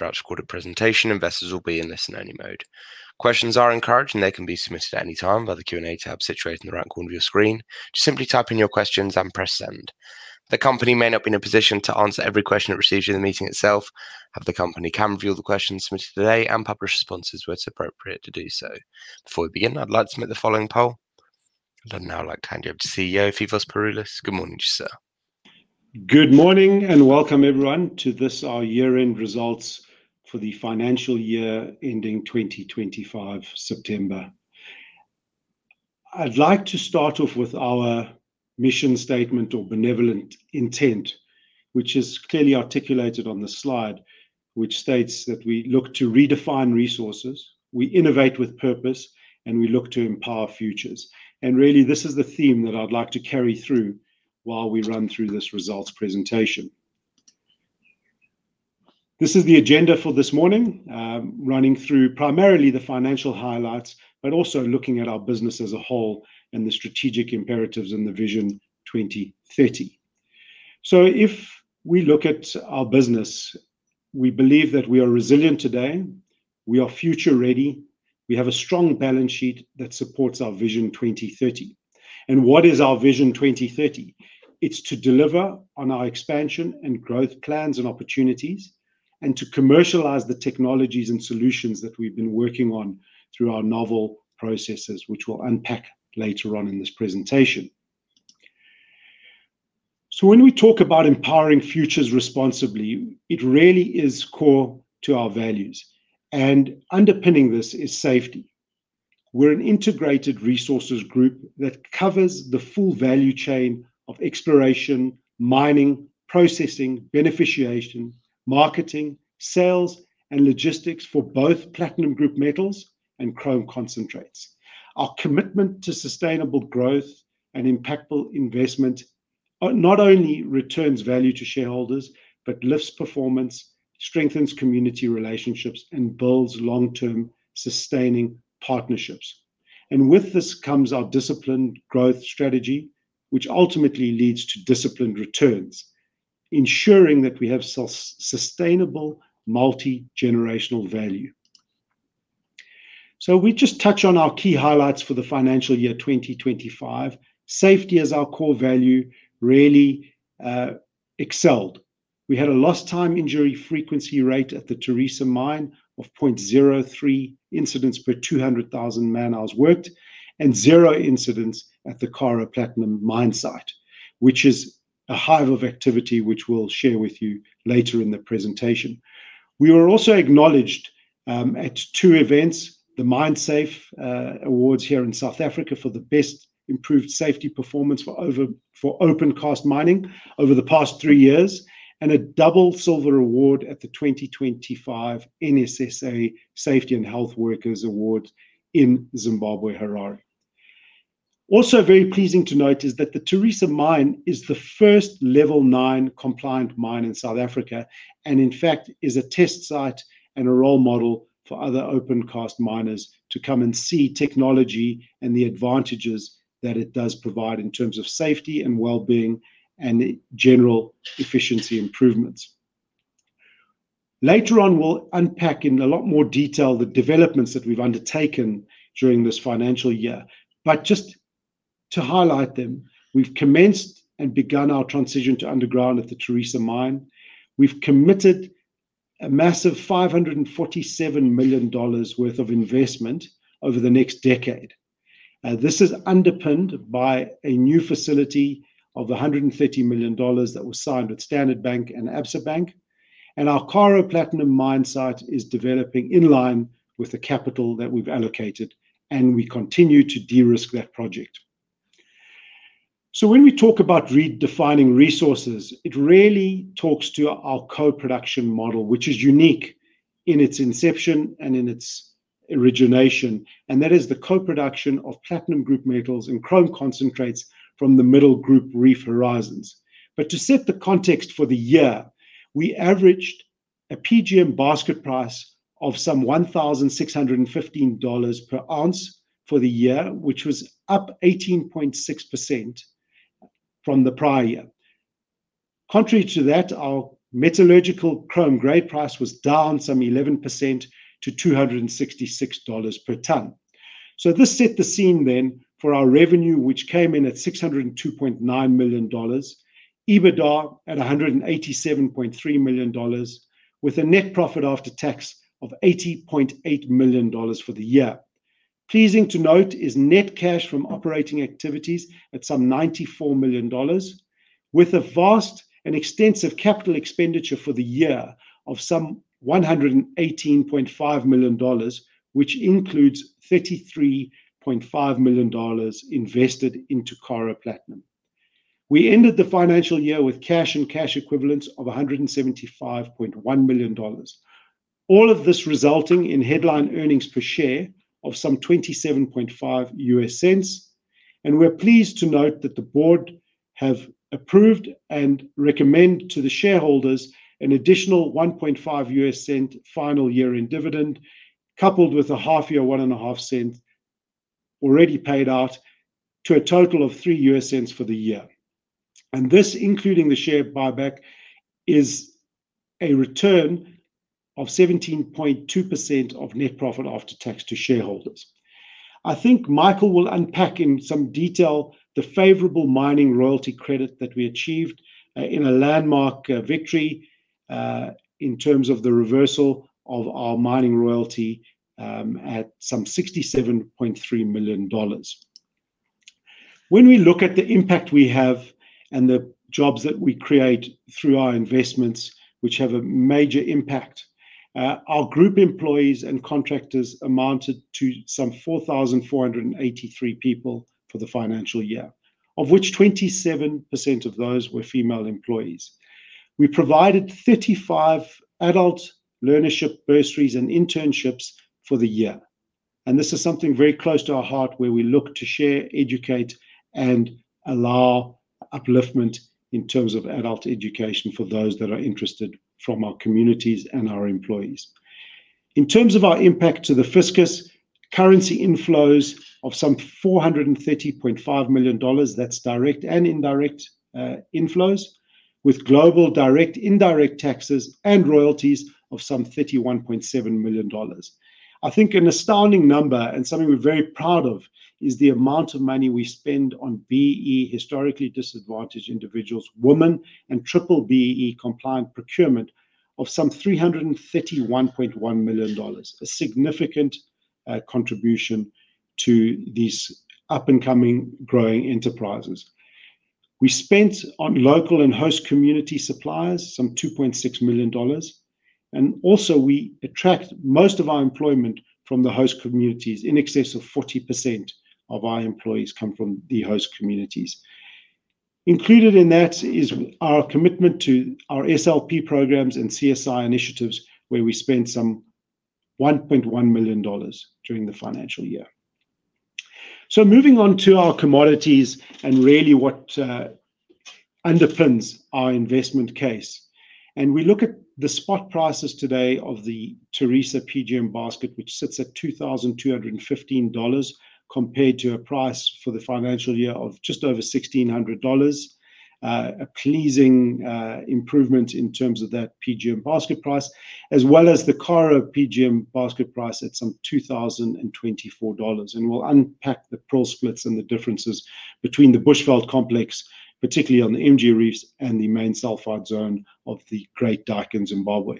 About recorded presentation, investors will be in listen-only mode. Questions are encouraged, and they can be submitted at any time via the Q&A tab situated in the right corner of your screen. Just simply type in your questions and press send. The company may not be in a position to answer every question it receives in the meeting itself, however, the company can review the questions submitted today and publish responses where it's appropriate to do so. Before we begin, I'd like to submit the following poll. I'd now like to hand you over to CEO Phoevos Pouroulis. Good morning, sir. Good morning and welcome, everyone, to this, our year-end results for the financial year ending 2025, September. I'd like to start off with our mission statement or benevolent intent, which is clearly articulated on the slide, which states that we look to redefine resources, we innovate with purpose, and we look to empower futures. Really, this is the theme that I'd like to carry through while we run through this results presentation. This is the agenda for this morning, running through primarily the financial highlights, but also looking at our business as a whole and the strategic imperatives and the vision 2030. If we look at our business, we believe that we are resilient today, we are future-ready, we have a strong balance sheet that supports our Vision 2030. What is our Vision 2030? It's to deliver on our expansion and growth plans and opportunities, and to commercialize the technologies and solutions that we've been working on through our novel processes, which we'll unpack later on in this presentation. When we talk about empowering futures responsibly, it really is core to our values, and underpinning this is safety. We're an integrated resources group that covers the full value chain of exploration, mining, processing, beneficiation, marketing, sales, and logistics for both platinum group metals and chrome concentrates. Our commitment to sustainable growth and impactful investment not only returns value to shareholders, but lifts performance, strengthens community relationships, and builds long-term sustaining partnerships. With this comes our disciplined growth strategy, which ultimately leads to disciplined returns, ensuring that we have sustainable multi-generational value. We just touch on our key highlights for the financial year 2025. Safety as our core value really excelled. We had a lost-time injury frequency rate at the Tharisa Mine of 0.03 incidents per 200,000 man-hours worked, and zero incidents at the Karo Platinum mine site, which is a hive of activity which we'll share with you later in the presentation. We were also acknowledged at two events, the MineSAFE Awards here in South Africa for the best improved safety performance for open-cast mining over the past 3 years, and a Double Silver Award at the 2025 NSSA Safety and Health Workers Award in Zimbabwe, Harare. Also very pleasing to note is that the Tharisa Mine is the first level nine compliant mine in South Africa, and in fact is a test site and a role model for other open-cast miners to come and see technology and the advantages that it does provide in terms of safety and well-being and general efficiency improvements. Later on, we'll unpack in a lot more detail the developments that we've undertaken during this financial year. Just to highlight them, we've commenced and begun our transition to underground at the Tharisa Mine. We've committed a massive $547 million worth of investment over the next decade. This is underpinned by a new facility of $130 million that was signed with Standard Bank and Absa Bank. Our Karo Platinum Project site is developing in line with the capital that we've allocated, and we continue to de-risk that project. When we talk about redefining resources, it really talks to our co-production model, which is unique in its inception and in its origination, and that is the co-production of platinum group metals and chrome concentrates from the Middle Group reef horizons. To set the context for the year, we averaged a PGM basket price of some $1,615 per oz for the year, which was up 18.6% from the prior year. Contrary to that, our metallurgical chrome grade price was down some 11% to $266 per ton. This set the scene then for our revenue, which came in at $602.9 million, EBITDA at $187.3 million, with a net profit after tax of $80.8 million for the year. Pleasing to note is net cash from operating activities at some $94 million, with a vast and extensive capital expenditure for the year of some $118.5 million, which includes $33.5 million invested into Karo Platinum. We ended the financial year with cash and cash equivalents of $175.1 million, all of this resulting in headline earnings per share of some $0.275. We're pleased to note that the board have approved and recommend to the shareholders an additional $0.015 final year-end dividend, coupled with a half-year, $0.015 already paid out to a total of $0.03 for the year. This, including the share buyback, is a return of 17.2% of net profit after tax to shareholders. I think Michael will unpack in some detail the favorable mining royalty credit that we achieved in a landmark victory in terms of the reversal of our mining royalty at some $67.3 million. When we look at the impact we have and the jobs that we create through our investments, which have a major impact, our group employees and contractors amounted to some 4,483 people for the financial year, of which 27% of those were female employees. We provided 35 adult learnership bursaries and internships for the year. This is something very close to our heart where we look to share, educate, and allow upliftment in terms of adult education for those that are interested from our communities and our employees. In terms of our impact to the fiscus, currency inflows of some $430.5 million, that's direct and indirect inflows, with global direct, indirect taxes and royalties of some $31.7 million. I think an astounding number and something we're very proud of is the amount of money we spend on BEE historically disadvantaged individuals, women, and BBBEE-compliant procurement of some $331.1 million, a significant contribution to these up-and-coming, growing enterprises. We spent on local and host community suppliers, some $2.6 million. We attract most of our employment from the host communities. In excess of 40% of our employees come from the host communities. Included in that is our commitment to our SLP programs and CSI initiatives, where we spent some $1.1 million during the financial year. Moving on to our commodities and really what underpins our investment case. We look at the spot prices today of the Tharisa PGM basket, which sits at $2,215 compared to a price for the financial year of just over $1,600, a pleasing improvement in terms of that PGM basket price, as well as the Karo PGM basket price at some $2,024. We'll unpack the prospects and the differences between the Bushveld Complex, particularly on the MG reefs, and the main sulfide zone of the Great Dyke in Zimbabwe.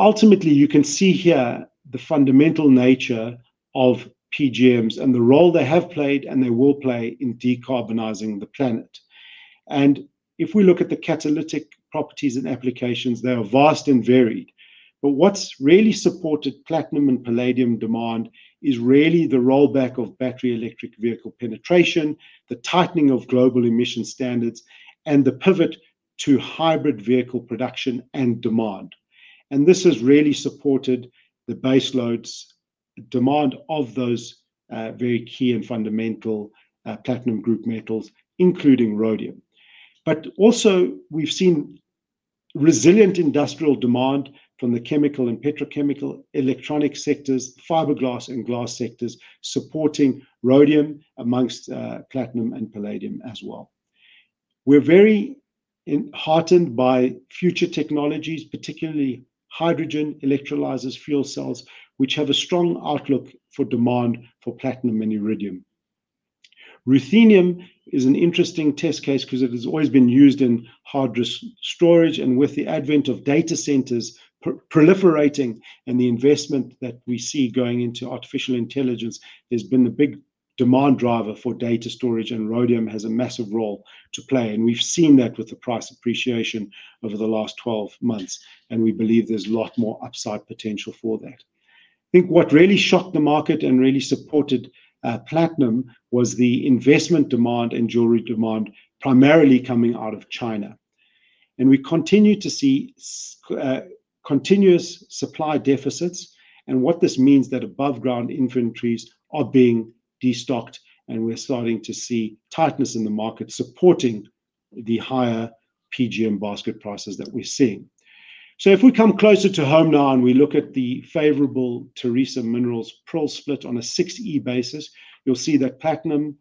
Ultimately, you can see here the fundamental nature of PGMs and the role they have played and they will play in decarbonizing the planet. If we look at the catalytic properties and applications, they are vast and varied. What's really supported platinum and palladium demand is really the rollback of battery electric vehicle penetration, the tightening of global emission standards, and the pivot to hybrid vehicle production and demand. This has really supported the baseloads demand of those very key and fundamental platinum group metals, including rhodium. Also, we've seen resilient industrial demand from the chemical and petrochemical, electronic sectors, fiberglass and glass sectors supporting rhodium amongst platinum and palladium as well. We're very heartened by future technologies, particularly hydrogen electrolyzers, fuel cells, which have a strong outlook for demand for platinum and iridium. Ruthenium is an interesting test case because it has always been used in hard storage. With the advent of data centers proliferating and the investment that we see going into artificial intelligence, there has been a big demand driver for data storage, and rhodium has a massive role to play. We have seen that with the price appreciation over the last 12 months, and we believe there is a lot more upside potential for that. I think what really shocked the market and really supported platinum was the investment demand and jewelry demand primarily coming out of China. We continue to see continuous supply deficits, and what this means is that above-ground inventories are being destocked, and we are starting to see tightness in the market supporting the higher PGM basket prices that we are seeing. If we come closer to home now and we look at the favorable Tharisa Minerals prospect on a 6E basis, you'll see that platinum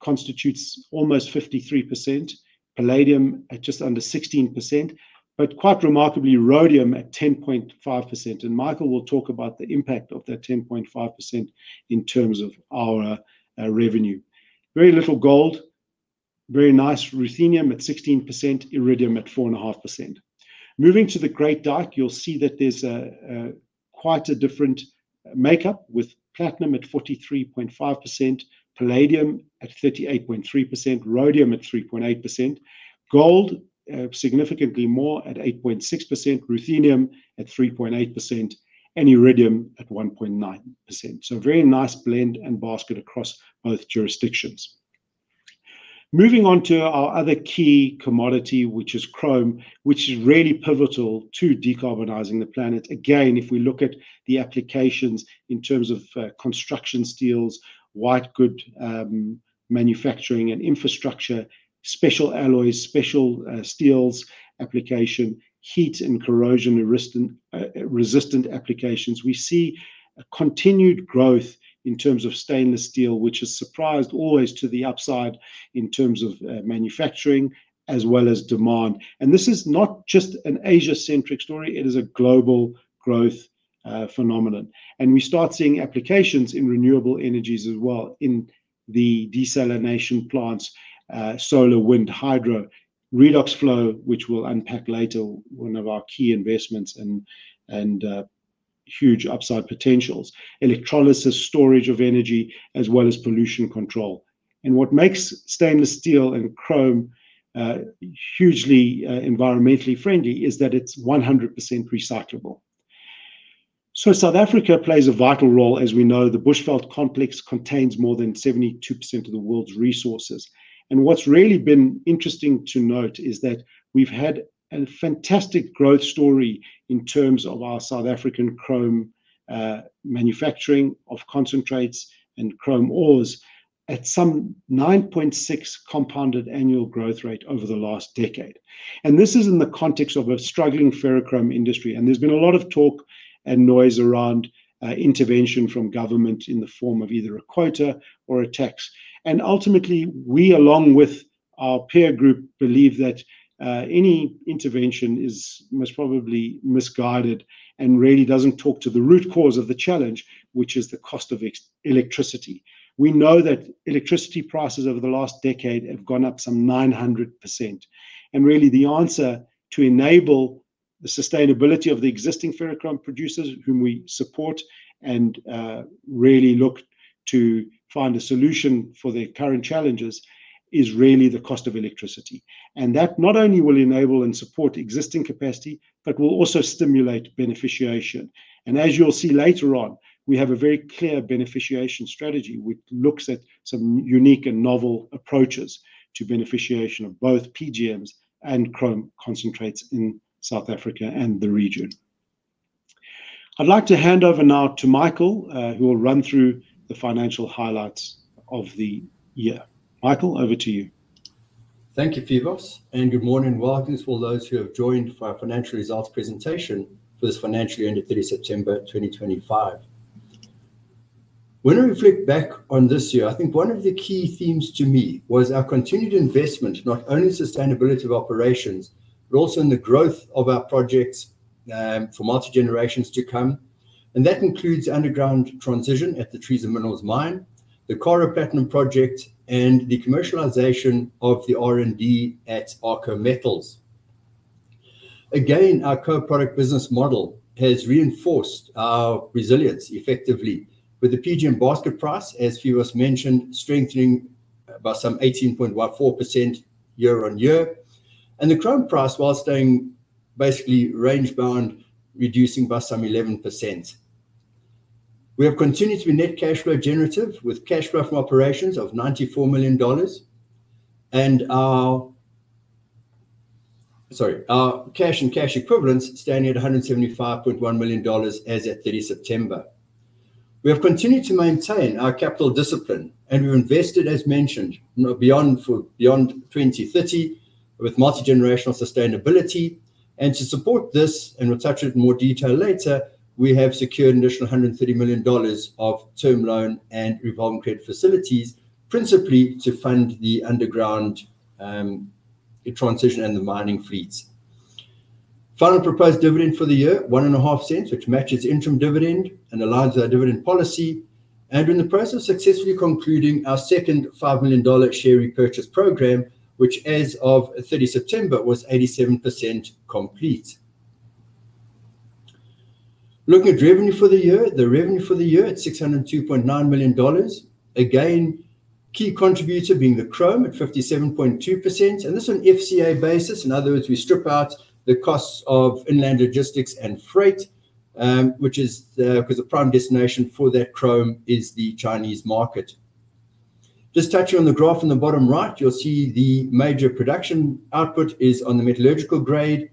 constitutes almost 53%, palladium at just under 16%, but quite remarkably, rhodium at 10.5%. Michael will talk about the impact of that 10.5% in terms of our revenue. Very little gold, very nice ruthenium at 16%, iridium at 4.5%. Moving to the Great Dyke, you'll see that there's quite a different makeup with platinum at 43.5%, palladium at 38.3%, rhodium at 3.8%, gold significantly more at 8.6%, ruthenium at 3.8%, and iridium at 1.9%. Very nice blend and basket across both jurisdictions. Moving on to our other key commodity, which is chrome, which is really pivotal to decarbonizing the planet. Again, if we look at the applications in terms of construction steels, white good manufacturing and infrastructure, special alloys, special steels application, heat and corrosion resistant applications, we see a continued growth in terms of stainless steel, which has surprised always to the upside in terms of manufacturing as well as demand. This is not just an Asia-centric story. It is a global growth phenomenon. We start seeing applications in renewable energies as well in the desalination plants, solar, wind, hydro, redox flow, which we'll unpack later, one of our key investments and huge upside potentials, electrolysis, storage of energy, as well as pollution control. What makes stainless steel and chrome hugely environmentally friendly is that it's 100% recyclable. South Africa plays a vital role. As we know, the Bushveld Complex contains more than 72% of the world's resources. What's really been interesting to note is that we've had a fantastic growth story in terms of our South African chrome manufacturing of concentrates and chrome ores at some 9.6% compounded annual growth rate over the last decade. This is in the context of a struggling ferrochrome industry. There's been a lot of talk and noise around intervention from government in the form of either a quota or a tax. Ultimately, we, along with our peer group, believe that any intervention is most probably misguided and really doesn't talk to the root cause of the challenge, which is the cost of electricity. We know that electricity prices over the last decade have gone up some 900%. Really, the answer to enable the sustainability of the existing ferrochrome producers whom we support and really look to find a solution for their current challenges is really the cost of electricity. That not only will enable and support existing capacity, but will also stimulate beneficiation. As you'll see later on, we have a very clear beneficiation strategy which looks at some unique and novel approaches to beneficiation of both PGMs and chrome concentrates in South Africa and the region. I'd like to hand over now to Michael, who will run through the financial highlights of the year. Michael, over to you. Thank you, Phoevos, and good morning and welcome to all those who have joined for our financial results presentation for this financial year ended 30 September 2025. When I reflect back on this year, I think one of the key themes to me was our continued investment, not only in sustainability of operations, but also in the growth of our projects for multi-generations to come. That includes underground transition at the Tharisa Minerals mine, the Karo Platinum Project, and the commercialization of the R&D at Arxo Metals. Again, our co-product business model has reinforced our resilience effectively with the PGM basket price, as Phoevos mentioned, strengthening by some 18.14% year-on-year, and the chrome price while staying basically range bound, reducing by some 11%. We have continued to be net cash flow generative with cash flow from operations of $94 million, and our cash and cash equivalents standing at $175.1 million as at 30 September. We have continued to maintain our capital discipline, and we've invested, as mentioned, beyond 2030 with multi-generational sustainability. To support this, and we'll touch on it in more detail later, we have secured an additional $130 million of term loan and revolving credit facilities, principally to fund the underground transition and the mining fleets. Final proposed dividend for the year, $0.015, which matches interim dividend and aligns with our dividend policy. We are in the process of successfully concluding our second $5 million share repurchase program, which as of 30 September was 87% complete. Looking at revenue for the year, the revenue for the year at $602.9 million. Again, key contributor being the chrome at 57.2%. This is on an FCA basis. In other words, we strip out the costs of inland logistics and freight, which is because the prime destination for that chrome is the Chinese market. Just touching on the graph on the bottom right, you'll see the major production output is on the metallurgical grade,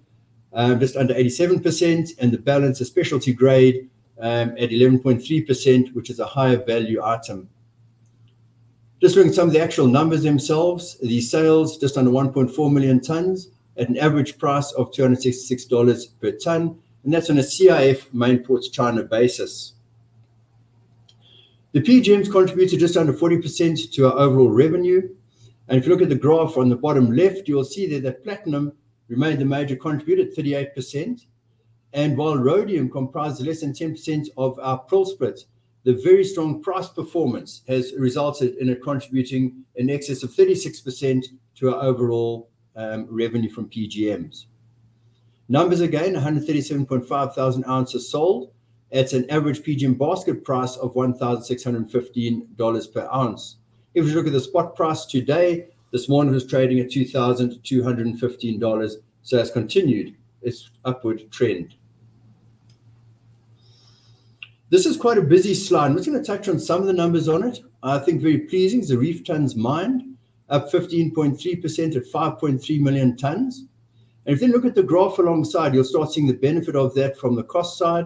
just under 87%, and the balance is specialty grade at 11.3%, which is a higher value item. Just looking at some of the actual numbers themselves, the sales just under 1.4 million tons at an average price of $266 per ton, and that's on a CIF Main Ports China basis. The PGMs contributed just under 40% to our overall revenue. If you look at the graph on the bottom left, you'll see that the platinum remained the major contributor at 38%. While rhodium comprises less than 10% of our prospects, the very strong price performance has resulted in it contributing in excess of 36% to our overall revenue from PGMs. Numbers again, 137,500 oz sold at an average PGM basket price of $1,615 per oz. If we look at the spot price today, this morning was trading at $2,215, so it's continued its upward trend. This is quite a busy slide. I'm just going to touch on some of the numbers on it. I think very pleasing is the reef tons mined, up 15.3% at 5.3 million tons. If you look at the graph alongside, you'll start seeing the benefit of that from the cost side.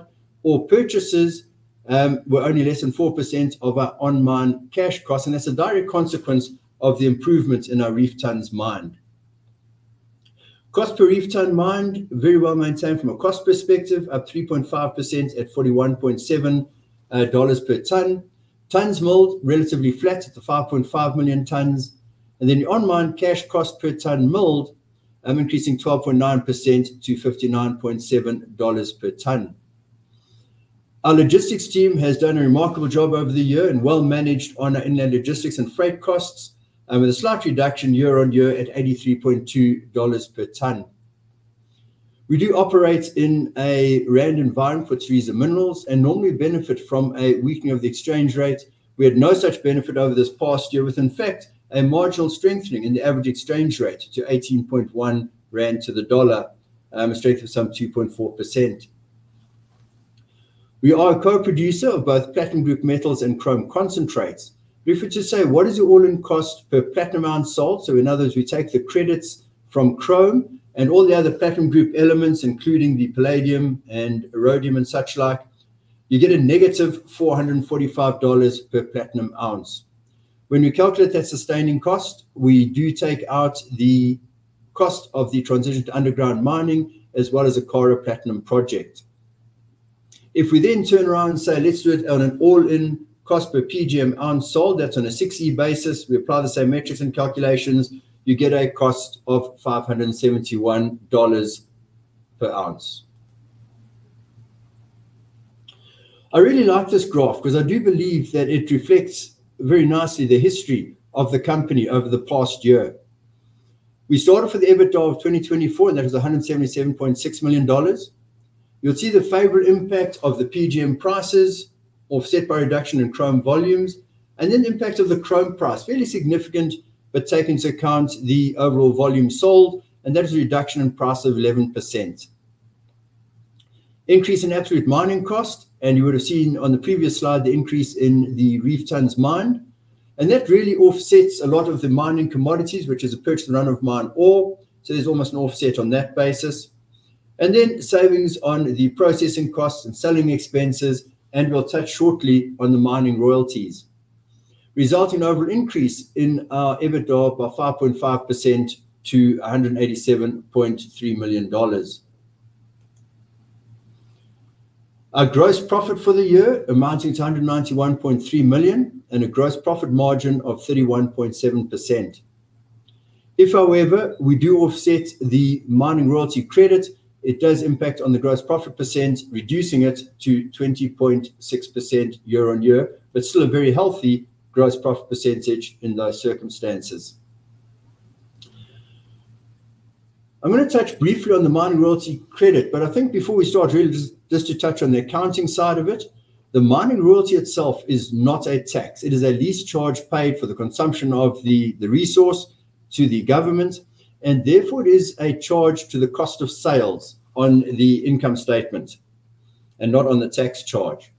Our purchases were only less than 4% of our on-mined cash cost, and that's a direct consequence of the improvements in our reef ton mined. Cost per reef ton mined, very well maintained from a cost perspective, up 3.5% at $41.7 per ton. Tons milled relatively flat at the 5.5 million tons. The on-mined cash cost per ton milled increasing 12.9% to $59.7 per ton. Our logistics team has done a remarkable job over the year and well managed on our inland logistics and freight costs, with a slight reduction year-on-year at $83.2 per ton. We do operate in a rare environment for Tharisa Minerals and normally benefit from a weakening of the exchange rate. We had no such benefit over this past year with, in fact, a marginal strengthening in the average exchange rate to 18.1 rand to the dollar, a strength of some 2.4%. We are a co-producer of both platinum group metals and chrome concentrates. If we just say, what is the all-in cost per platinum oz sold? In other words, we take the credits from chrome and all the other platinum group elements, including the palladium and rhodium and such like, you get a -$445 per platinum oz. When we calculate that sustaining cost, we do take out the cost of the transition to underground mining as well as a Karo Platinum Project. If we then turn around and say, let's do it on an all-in cost per PGM oz sold, that's on a 6E basis, we apply the same metrics and calculations, you get a cost of $571 per oz. I really like this graph because I do believe that it reflects very nicely the history of the company over the past year. We started for the EBITDA of 2024, and that was $177.6 million. You'll see the favorable impact of the PGM prices offset by reduction in chrome volumes, and then the impact of the chrome price, fairly significant, but taking into account the overall volume sold, and that is a reduction in price of 11%. Increase in absolute mining cost, and you would have seen on the previous slide the increase in the Reef Tons mine. That really offsets a lot of the mining commodities, which is a purchase and run of mine ore, so there is almost an offset on that basis. Then savings on the processing costs and selling expenses, and we will touch shortly on the mining royalties. Resulting overall increase in our EBITDA by 5.5% to $187.3 million. Our gross profit for the year amounts to $191.3 million and a gross profit margin of 31.7%. If, however, we do offset the mining royalty credit, it does impact on the gross profit %, reducing it to 20.6% year-on-year, but still a very healthy gross profit % in those circumstances. I'm going to touch briefly on the mining royalty credit, but I think before we start, really just to touch on the accounting side of it, the mining royalty itself is not a tax. It is a lease charge paid for the consumption of the resource to the government, and therefore it is a charge to the cost of sales on the income statement and not on the tax charge.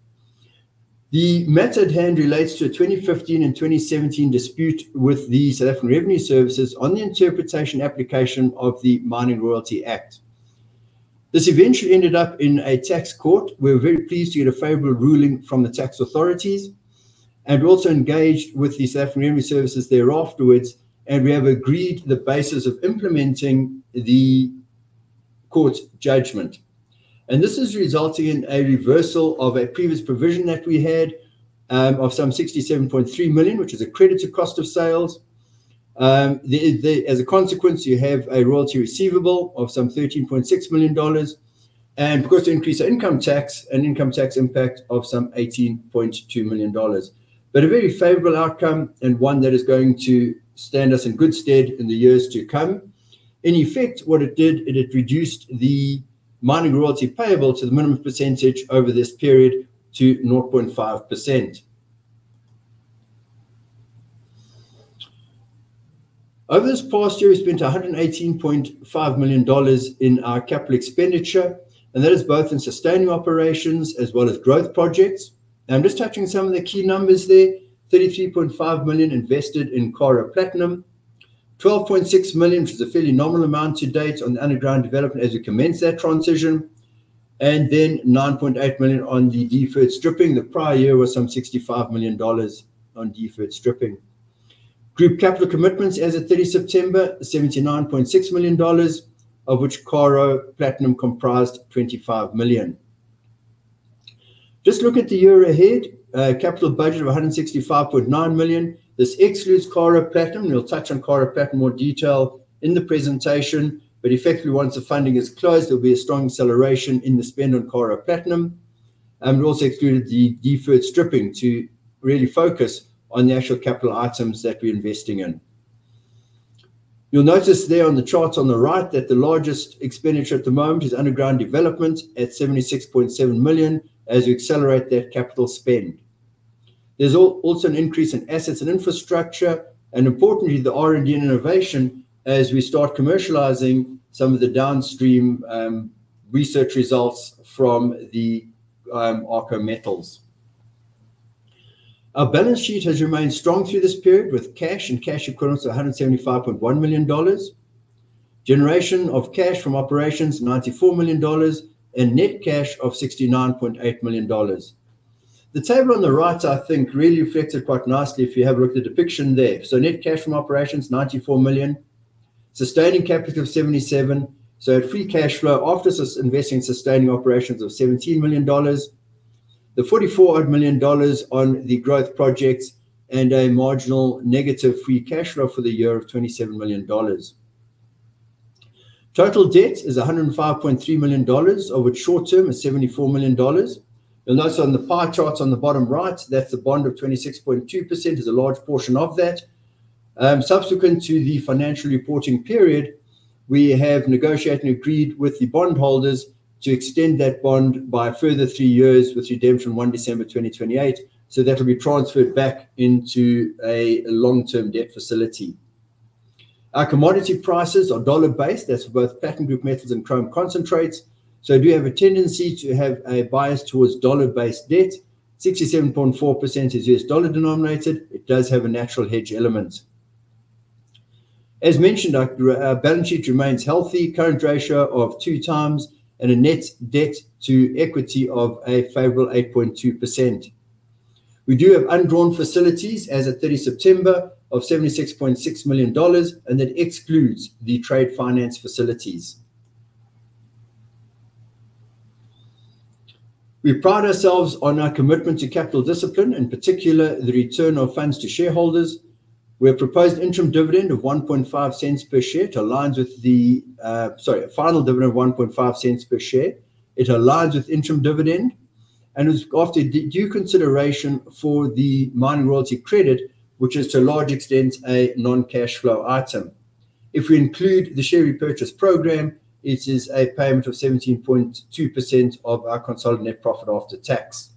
The matter at hand relates to a 2015 and 2017 dispute with the South African Revenue Services on the interpretation application of the Mining Royalty Act. This eventually ended up in a tax court. We're very pleased to get a favorable ruling from the tax authorities, and we also engaged with the South African Revenue Services thereafter, and we have agreed the basis of implementing the court's judgment. This is resulting in a reversal of a previous provision that we had of some $67.3 million, which is a credit to cost of sales. As a consequence, you have a royalty receivable of some $13.6 million, and because of increased income tax and income tax impact of some $18.2 million. A very favorable outcome and one that is going to stand us in good stead in the years to come. In effect, what it did, it reduced the mining royalty payable to the minimum percentage over this period to 0.5%. Over this past year, we spent $118.5 million in our capital expenditure, and that is both in sustaining operations as well as growth projects. I'm just touching some of the key numbers there. $33.5 million invested in Karo Platinum, $12.6 million, which is a fairly nominal amount to date on the underground development as we commence that transition, and then $9.8 million on the deferred stripping. The prior year was some $65 million on deferred stripping. Group capital commitments as of 30 September, $79.6 million, of which Karo Platinum comprised $25 million. Just look at the year ahead, capital budget of $165.9 million. This excludes Karo Platinum. We'll touch on Karo Platinum in more detail in the presentation, but effectively, once the funding is closed, there'll be a strong acceleration in the spend on Karo Platinum. We also excluded the deferred stripping to really focus on the actual capital items that we're investing in. You'll notice there on the charts on the right that the largest expenditure at the moment is underground development at $76.7 million as we accelerate that capital spend. There's also an increase in assets and infrastructure, and importantly, the R&D and innovation as we start commercializing some of the downstream research results from the Arxo Metals. Our balance sheet has remained strong through this period with cash and cash equivalents of $175.1 million, generation of cash from operations $94 million, and net cash of $69.8 million. The table on the right, I think, really reflects it quite nicely if you have a look at the depiction there. Net cash from operations $94 million, sustaining capital of $77 million, so a free cash flow after investing in sustaining operations of $17 million, the $44 million on the growth projects, and a marginal negative-free cash flow for the year of $27 million. Total debt is $105.3 million, of which short term is $74 million. You'll notice on the pie charts on the bottom right, that's the bond of 26.2% is a large portion of that. Subsequent to the financial reporting period, we have negotiated and agreed with the bondholders to extend that bond by a further three years with redemption on 1 December 2028, so that'll be transferred back into a long-term debt facility. Our commodity prices are dollar-based. That's for both platinum group metals and chrome concentrates. We do have a tendency to have a bias towards dollar-based debt. 67.4% is USD denominated. It does have a natural hedge element. As mentioned, our balance sheet remains healthy, current ratio of 2x, and a net debt to equity of a favorable 8.2%. We do have undrawn facilities as of 30 September of $76.6 million, and that excludes the trade finance facilities. We pride ourselves on our commitment to capital discipline, in particular the return of funds to shareholders. We have proposed interim dividend of $0.015 per share to align with the, sorry, final dividend of $0.015 per share. It aligns with interim dividend and is offered due consideration for the mining royalty credit, which is to large extents a non-cash flow item. If we include the share repurchase program, it is a payment of 17.2% of our consolidated net profit after tax.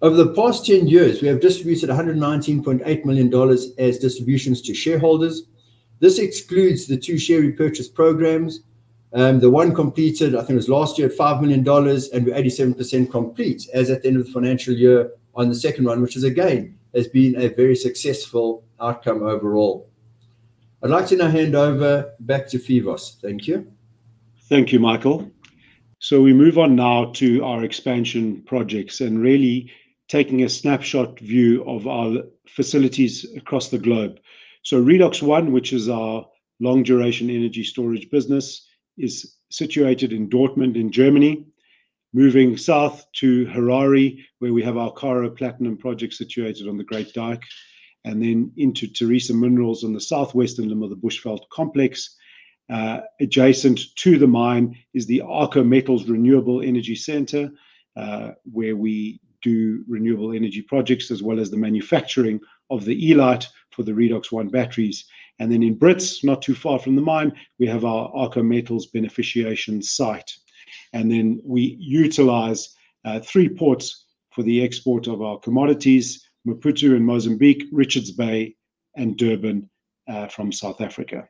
Over the past 10 years, we have distributed $119.8 million as distributions to shareholders. This excludes the two share repurchase programs. The one completed, I think it was last year, at $5 million, and we're 87% complete as at the end of the financial year on the second one, which is again has been a very successful outcome overall. I'd like to now hand over back to Phoevos. Thank you. Thank you, Michael. We move on now to our expansion projects and really taking a snapshot view of our facilities across the globe. Redox One, which is our long-duration energy storage business, is situated in Dortmund in Germany, moving south to Harare, where we have our Karo Platinum Project situated on the Great Dyke, and then into Tharisa Minerals on the southwestern end of the Bushveld Complex. Adjacent to the mine is the Arxo Metals Renewable Energy Center, where we do renewable energy projects as well as the manufacturing of the elyte for the Redox One batteries. In Brits, not too far from the mine, we have our Arxo Metals beneficiation site. We utilize three ports for the export of our commodities: Maputo in Mozambique, Richards Bay, and Durban from South Africa.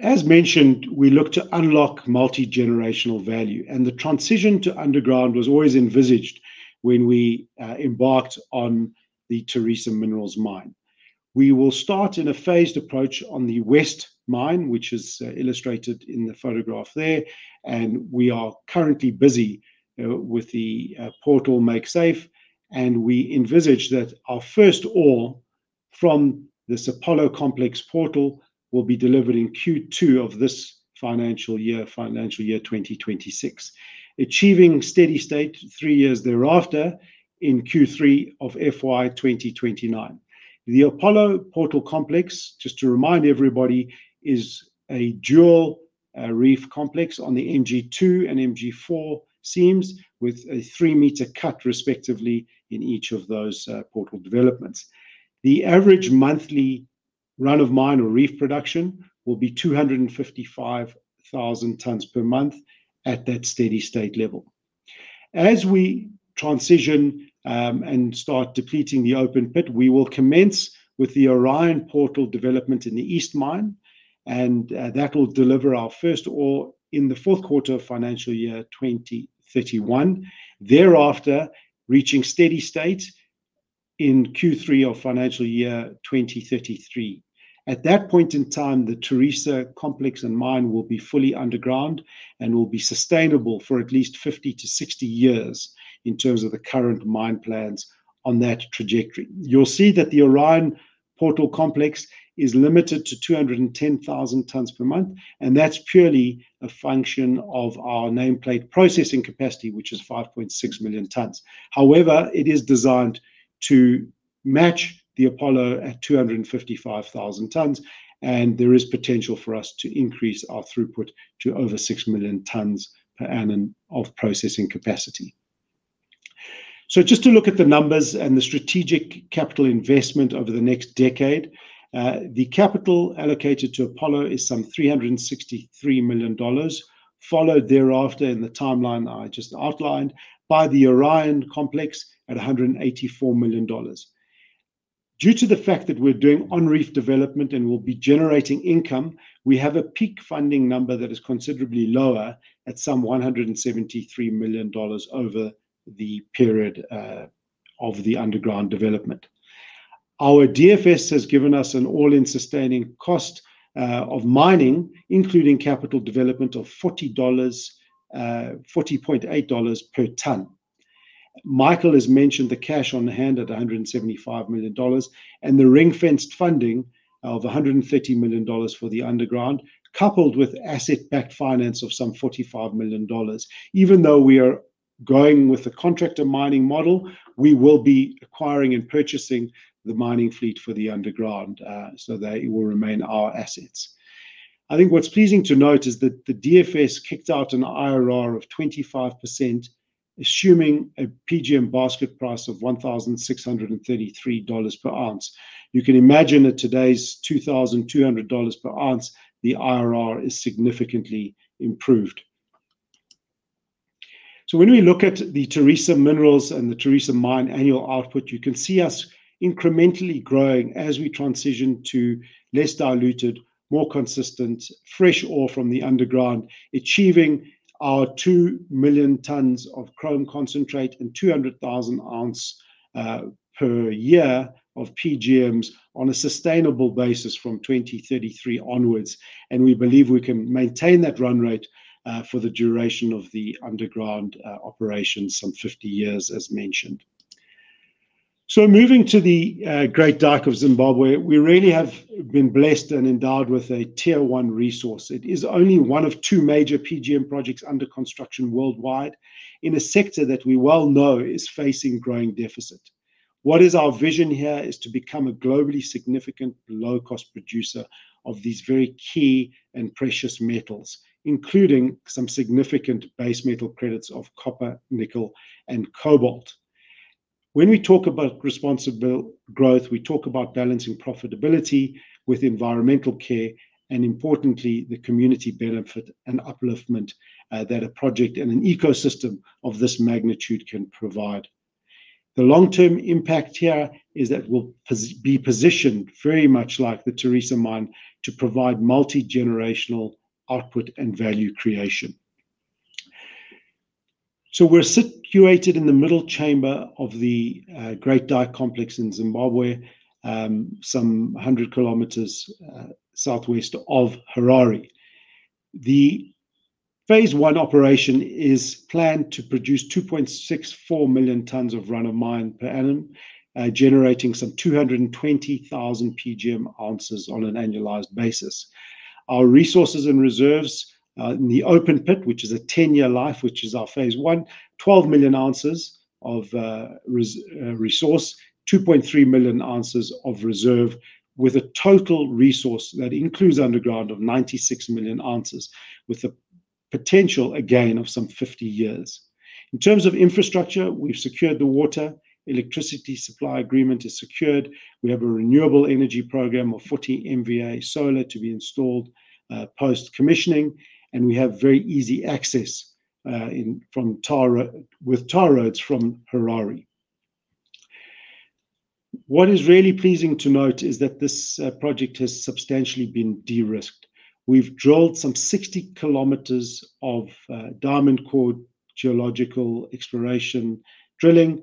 As mentioned, we look to unlock multi-generational value, and the transition to underground was always envisaged when we embarked on the Tharisa Minerals mine. We will start in a phased approach on the West mine, which is illustrated in the photograph there, and we are currently busy with the portal Make Safe, and we envisage that our first ore from this Apollo complex portal will be delivered in Q2 of this financial year, financial year 2026, achieving steady-state 3 years thereafter in Q3 of FY 2029. The Apollo portal complex, just to remind everybody, is a dual reef complex on the MG2 and MG4 seams with a 3-meter cut respectively in each of those portal developments. The average monthly run of mine or reef production will be 255,000 tons per month at that steady-state level. As we transition and start depleting the open pit, we will commence with the Orion portal development in the East mine, and that will deliver our first ore in the fourth quarter of financial year 2031, thereafter reaching steady-state in Q3 of financial year 2033. At that point in time, the Tharisa complex and mine will be fully underground and will be sustainable for at least 50-60 years in terms of the current mine plans on that trajectory. You'll see that the Orion portal complex is limited to 210,000 tons per month, and that's purely a function of our nameplate processing capacity, which is 5.6 million tons. However, it is designed to match the Apollo at 255,000 tons, and there is potential for us to increase our throughput to over 6 million tons per annum of processing capacity. Just to look at the numbers and the strategic capital investment over the next decade, the capital allocated to Apollo is some $363 million, followed thereafter in the timeline I just outlined by the Orion complex at $184 million. Due to the fact that we're doing on-reef development and we'll be generating income, we have a peak funding number that is considerably lower at some $173 million over the period of the underground development. Our DFS has given us an all-in sustaining cost of mining, including capital development of $40.8 per ton. Michael has mentioned the cash on hand at $175 million and the ring-fenced funding of $130 million for the underground, coupled with asset-backed finance of some $45 million. Even though we are going with the contractor mining model, we will be acquiring and purchasing the mining fleet for the underground so that it will remain our assets. I think what's pleasing to note is that the DFS kicked out an IRR of 25%, assuming a PGM basket price of $1,633 per oz. You can imagine at today's $2,200 per oz, the IRR is significantly improved. When we look at the Tharisa Minerals and the Tharisa Mine annual output, you can see us incrementally growing as we transition to less diluted, more consistent fresh ore from the underground, achieving our 2 million tons of chrome concentrate and 200,000 oz per year of PGMs on a sustainable basis from 2033 onwards. We believe we can maintain that run rate for the duration of the underground operations, some 50 years, as mentioned. Moving to the Great Dyke of Zimbabwe, we really have been blessed and endowed with a tier one resource. It is only one of two major PGM projects under construction worldwide in a sector that we well know is facing growing deficit. What is our vision here is to become a globally significant low-cost producer of these very key and precious metals, including some significant base metal credits of copper, nickel, and cobalt. When we talk about responsible growth, we talk about balancing profitability with environmental care and, importantly, the community benefit and upliftment that a project and an ecosystem of this magnitude can provide. The long-term impact here is that we'll be positioned very much like the Tharisa Mine to provide multi-generational output and value creation. We are situated in the middle chamber of the Great Dyke complex in Zimbabwe, some 100 km southwest of Harare. The phase I operation is planned to produce 2.64 million tons of run of mine per annum, generating some 220,000 PGM oz on an annualized basis. Our resources and reserves in the open pit, which is a 10-year life, which is our phase I, 12 million oz of resource, 2.3 million oz of reserve with a total resource that includes underground of 96 million oz, with a potential again of some 50 years. In terms of infrastructure, we've secured the water. Electricity supply agreement is secured. We have a renewable energy program of 40 MVA solar to be installed post-commissioning, and we have very easy access with tar roads from Harare. What is really pleasing to note is that this project has substantially been de-risked. We've drilled some 60 km of diamond core geological exploration drilling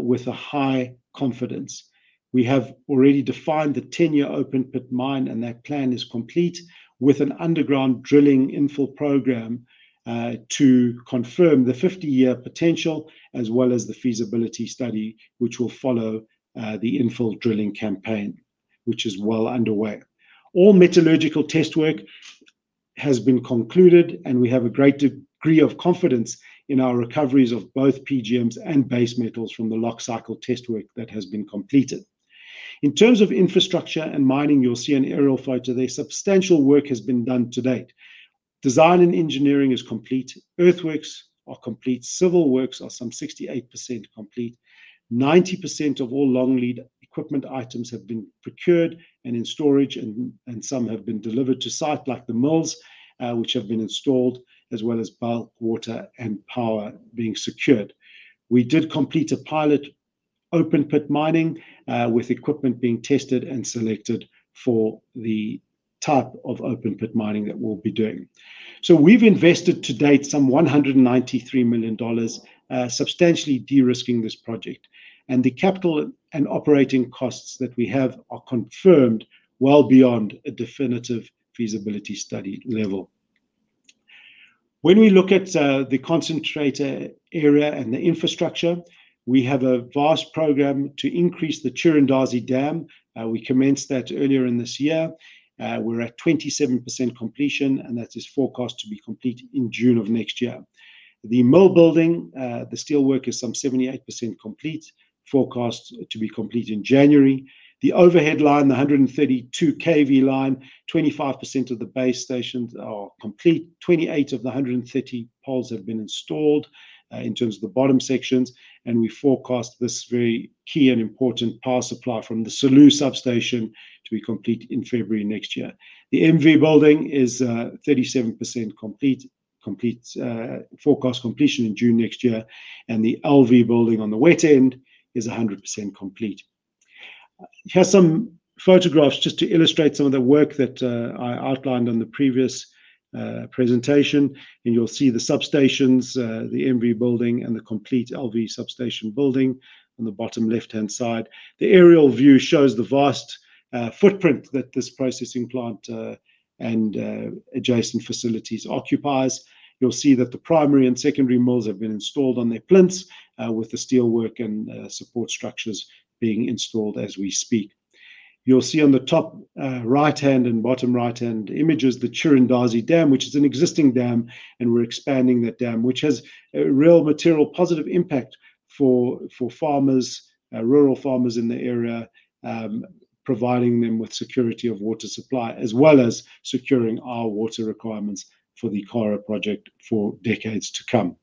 with a high confidence. We have already defined the 10-year open pit mine, and that plan is complete with an underground drilling infill program to confirm the 50-year potential as well as the feasibility study, which will follow the infill drilling campaign, which is well underway. All metallurgical test work has been concluded, and we have a great degree of confidence in our recoveries of both PGMs and base metals from the lock cycle test work that has been completed. In terms of infrastructure and mining, you'll see an aerial photo. There is substantial work that has been done to date. Design and engineering is complete. Earthworks are complete. Civil works are some 68% complete. Ninety percent of all long lead equipment items have been procured and in storage, and some have been delivered to site like the mills, which have been installed, as well as bulk water and power being secured. We did complete a pilot open pit mining with equipment being tested and selected for the type of open pit mining that we'll be doing. We have invested to date some $193 million, substantially de-risking this project. The capital and operating costs that we have are confirmed well beyond a definitive feasibility study level. When we look at the concentrator area and the infrastructure, we have a vast program to increase the Chirundazi Dam. We commenced that earlier in this year. We are at 27% completion, and that is forecast to be complete in June of next year. The mill building, the steel work is some 78% complete, forecast to be complete in January. The overhead line, the 132 kV line, 25% of the base stations are complete. Twenty-eight of the 130 poles have been installed in terms of the bottom sections, and we forecast this very key and important power supply from the Saloo substation to be complete in February next year. The MV building is 37% complete, forecast completion in June next year, and the LV building on the wet end is 100% complete. Here are some photographs just to illustrate some of the work that I outlined on the previous presentation, and you'll see the substations, the MV building, and the complete LV substation building on the bottom left-hand side. The aerial view shows the vast footprint that this processing plant and adjacent facilities occupies. You'll see that the primary and secondary mills have been installed on their plinths with the steel work and support structures being installed as we speak. You'll see on the top right-hand and bottom right-hand images the Chirundazi Dam, which is an existing dam, and we're expanding that dam, which has a real material positive impact for farmers, rural farmers in the area, providing them with security of water supply as well as securing our water requirements for the Karo project for decades to come.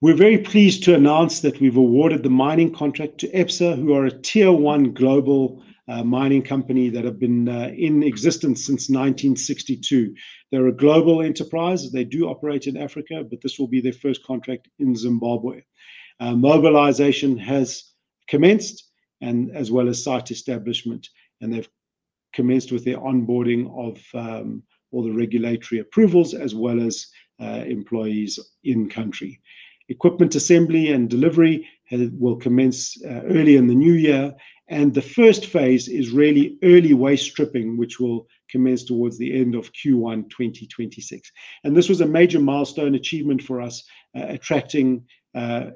We're very pleased to announce that we've awarded the mining contract to EPSA, who are a Tier 1 global mining company that have been in existence since 1962. They're a global enterprise. They do operate in Africa, but this will be their first contract in Zimbabwe. Mobilization has commenced, as well as site establishment, and they've commenced with the onboarding of all the regulatory approvals as well as employees in country. Equipment assembly and delivery will commence early in the new year, and the first phase is really early waste stripping, which will commence towards the end of Q1 2026. This was a major milestone achievement for us, attracting a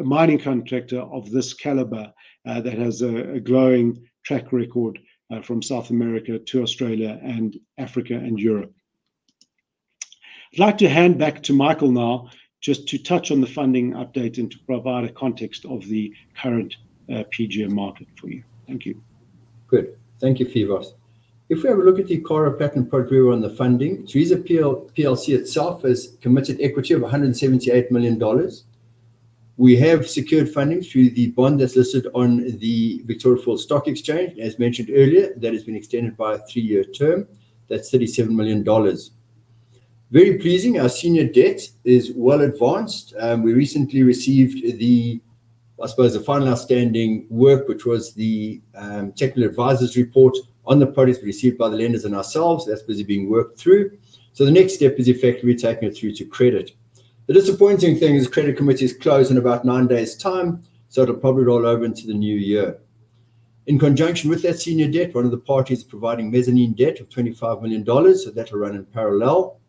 mining contractor of this caliber that has a glowing track record from South America to Australia and Africa and Europe. I would like to hand back to Michael now just to touch on the funding update and to provide a context of the current PGM market for you. Thank you. Good. Thank you, Phoevos. If we have a look at the Karo Platinum Project on the funding, Tharisa itself has committed equity of $178 million. We have secured funding through the bond that is listed on the Victoria Falls Stock Exchange, as mentioned earlier, that has been extended by a three-year term. That is $37 million. Very pleasing. Our senior debt is well advanced. We recently received the, I suppose, the final outstanding work, which was the technical advisor's report on the projects received by the lenders and ourselves. That is busy being worked through. The next step is effectively taking it through to credit. The disappointing thing is the credit committee is closed in about nine days' time, so it will probably roll over into the new year. In conjunction with that senior debt, one of the parties is providing mezzanine debt of $25 million, so that will run in parallel.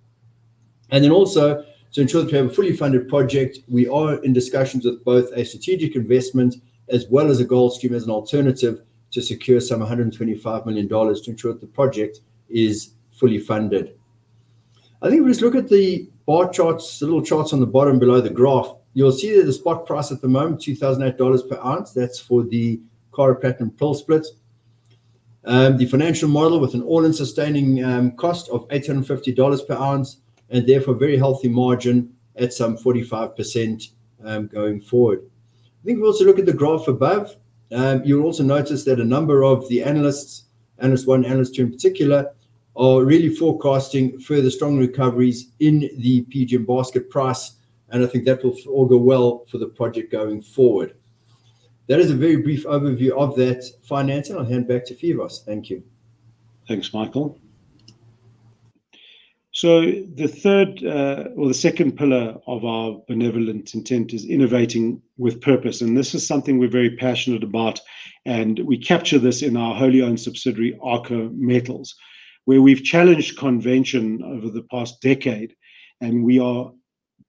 Also, to ensure that we have a fully funded project, we are in discussions with both a strategic investment as well as a goal scheme as an alternative to secure some $125 million to ensure that the project is fully funded. I think we just look at the bar charts, the little charts on the bottom below the graph. You'll see that the spot price at the moment, $2,008 per oz, that's for the Karo Platinum Project split. The financial model with an all-in sustaining cost of $850 per oz and therefore a very healthy margin at some 45% going forward. I think we also look at the graph above. You'll also notice that a number of the analysts, analyst one, analyst two in particular, are really forecasting further strong recoveries in the PGM basket price, and I think that will all go well for the project going forward. That is a very brief overview of that financing. I'll hand back to Phoevos. Thank you. Thanks, Michael. The third or the second pillar of our benevolent intent is innovating with purpose, and this is something we're very passionate about, and we capture this in our wholly owned subsidiary, Arxo Metals, where we've challenged convention over the past decade, and we are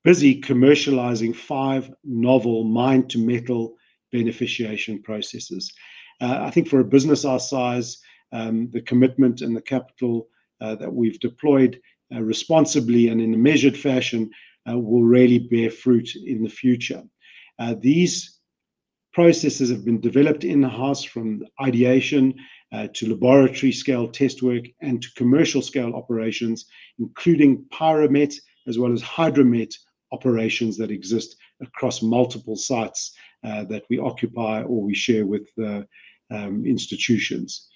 busy commercializing five novel mine-to-metal beneficiation processes. I think for a business our size, the commitment and the capital that we've deployed responsibly and in a measured fashion will really bear fruit in the future. These processes have been developed in-house from ideation to laboratory-scale test work and to commercial-scale operations, including pyromet as well as hydromet operations that exist across multiple sites that we occupy or we share with institutions.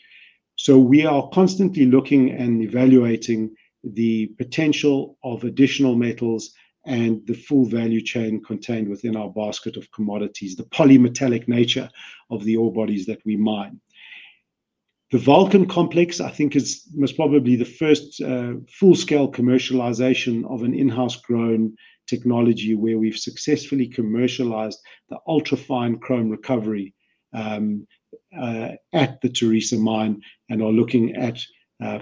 We are constantly looking and evaluating the potential of additional metals and the full value chain contained within our basket of commodities, the polymetallic nature of the ore bodies that we mine. The Vulcan complex, I think, is most probably the first full-scale commercialization of an in-house grown technology where we've successfully commercialized the ultra-fine chrome recovery at the Tharisa Mine and are looking at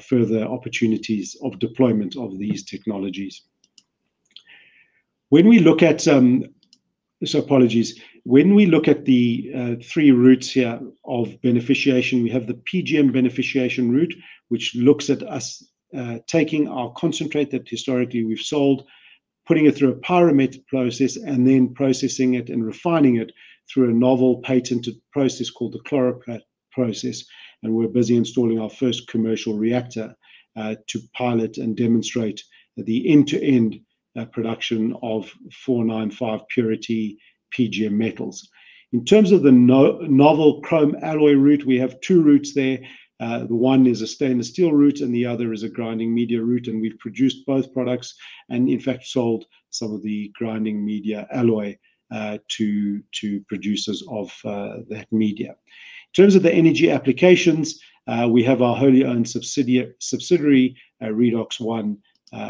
further opportunities of deployment of these technologies. When we look at, apologies, when we look at the three routes here of beneficiation, we have the PGM beneficiation route, which looks at us taking our concentrate that historically we've sold, putting it through a pyromet process, and then processing it and refining it through a novel patented process called the chloroplast process. We're busy installing our first commercial reactor to pilot and demonstrate the end-to-end production of 495 purity PGM metals. In terms of the novel chrome alloy route, we have two routes there. The one is a stainless steel route, and the other is a grinding media route, and we've produced both products and, in fact, sold some of the grinding media alloy to producers of that media. In terms of the energy applications, we have our wholly owned subsidiary, Redox One,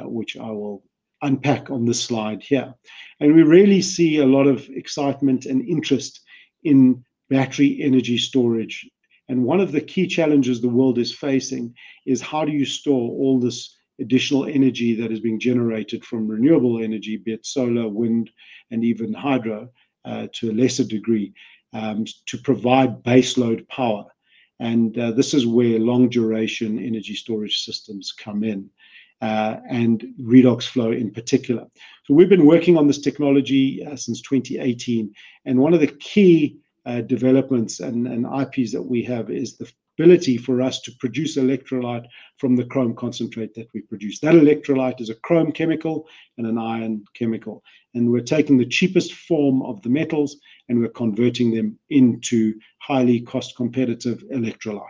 which I will unpack on this slide here. We really see a lot of excitement and interest in battery energy storage. One of the key challenges the world is facing is how do you store all this additional energy that is being generated from renewable energy, be it solar, wind, and even hydro, to a lesser degree, to provide base load power. This is where long-duration energy storage systems come in and Redox Flow in particular. We have been working on this technology since 2018, and one of the key developments and IPs that we have is the ability for us to produce electrolyte from the chrome concentrate that we produce. That electrolyte is a chrome chemical and an iron chemical, and we are taking the cheapest form of the metals, and we are converting them into highly cost-competitive electrolyte.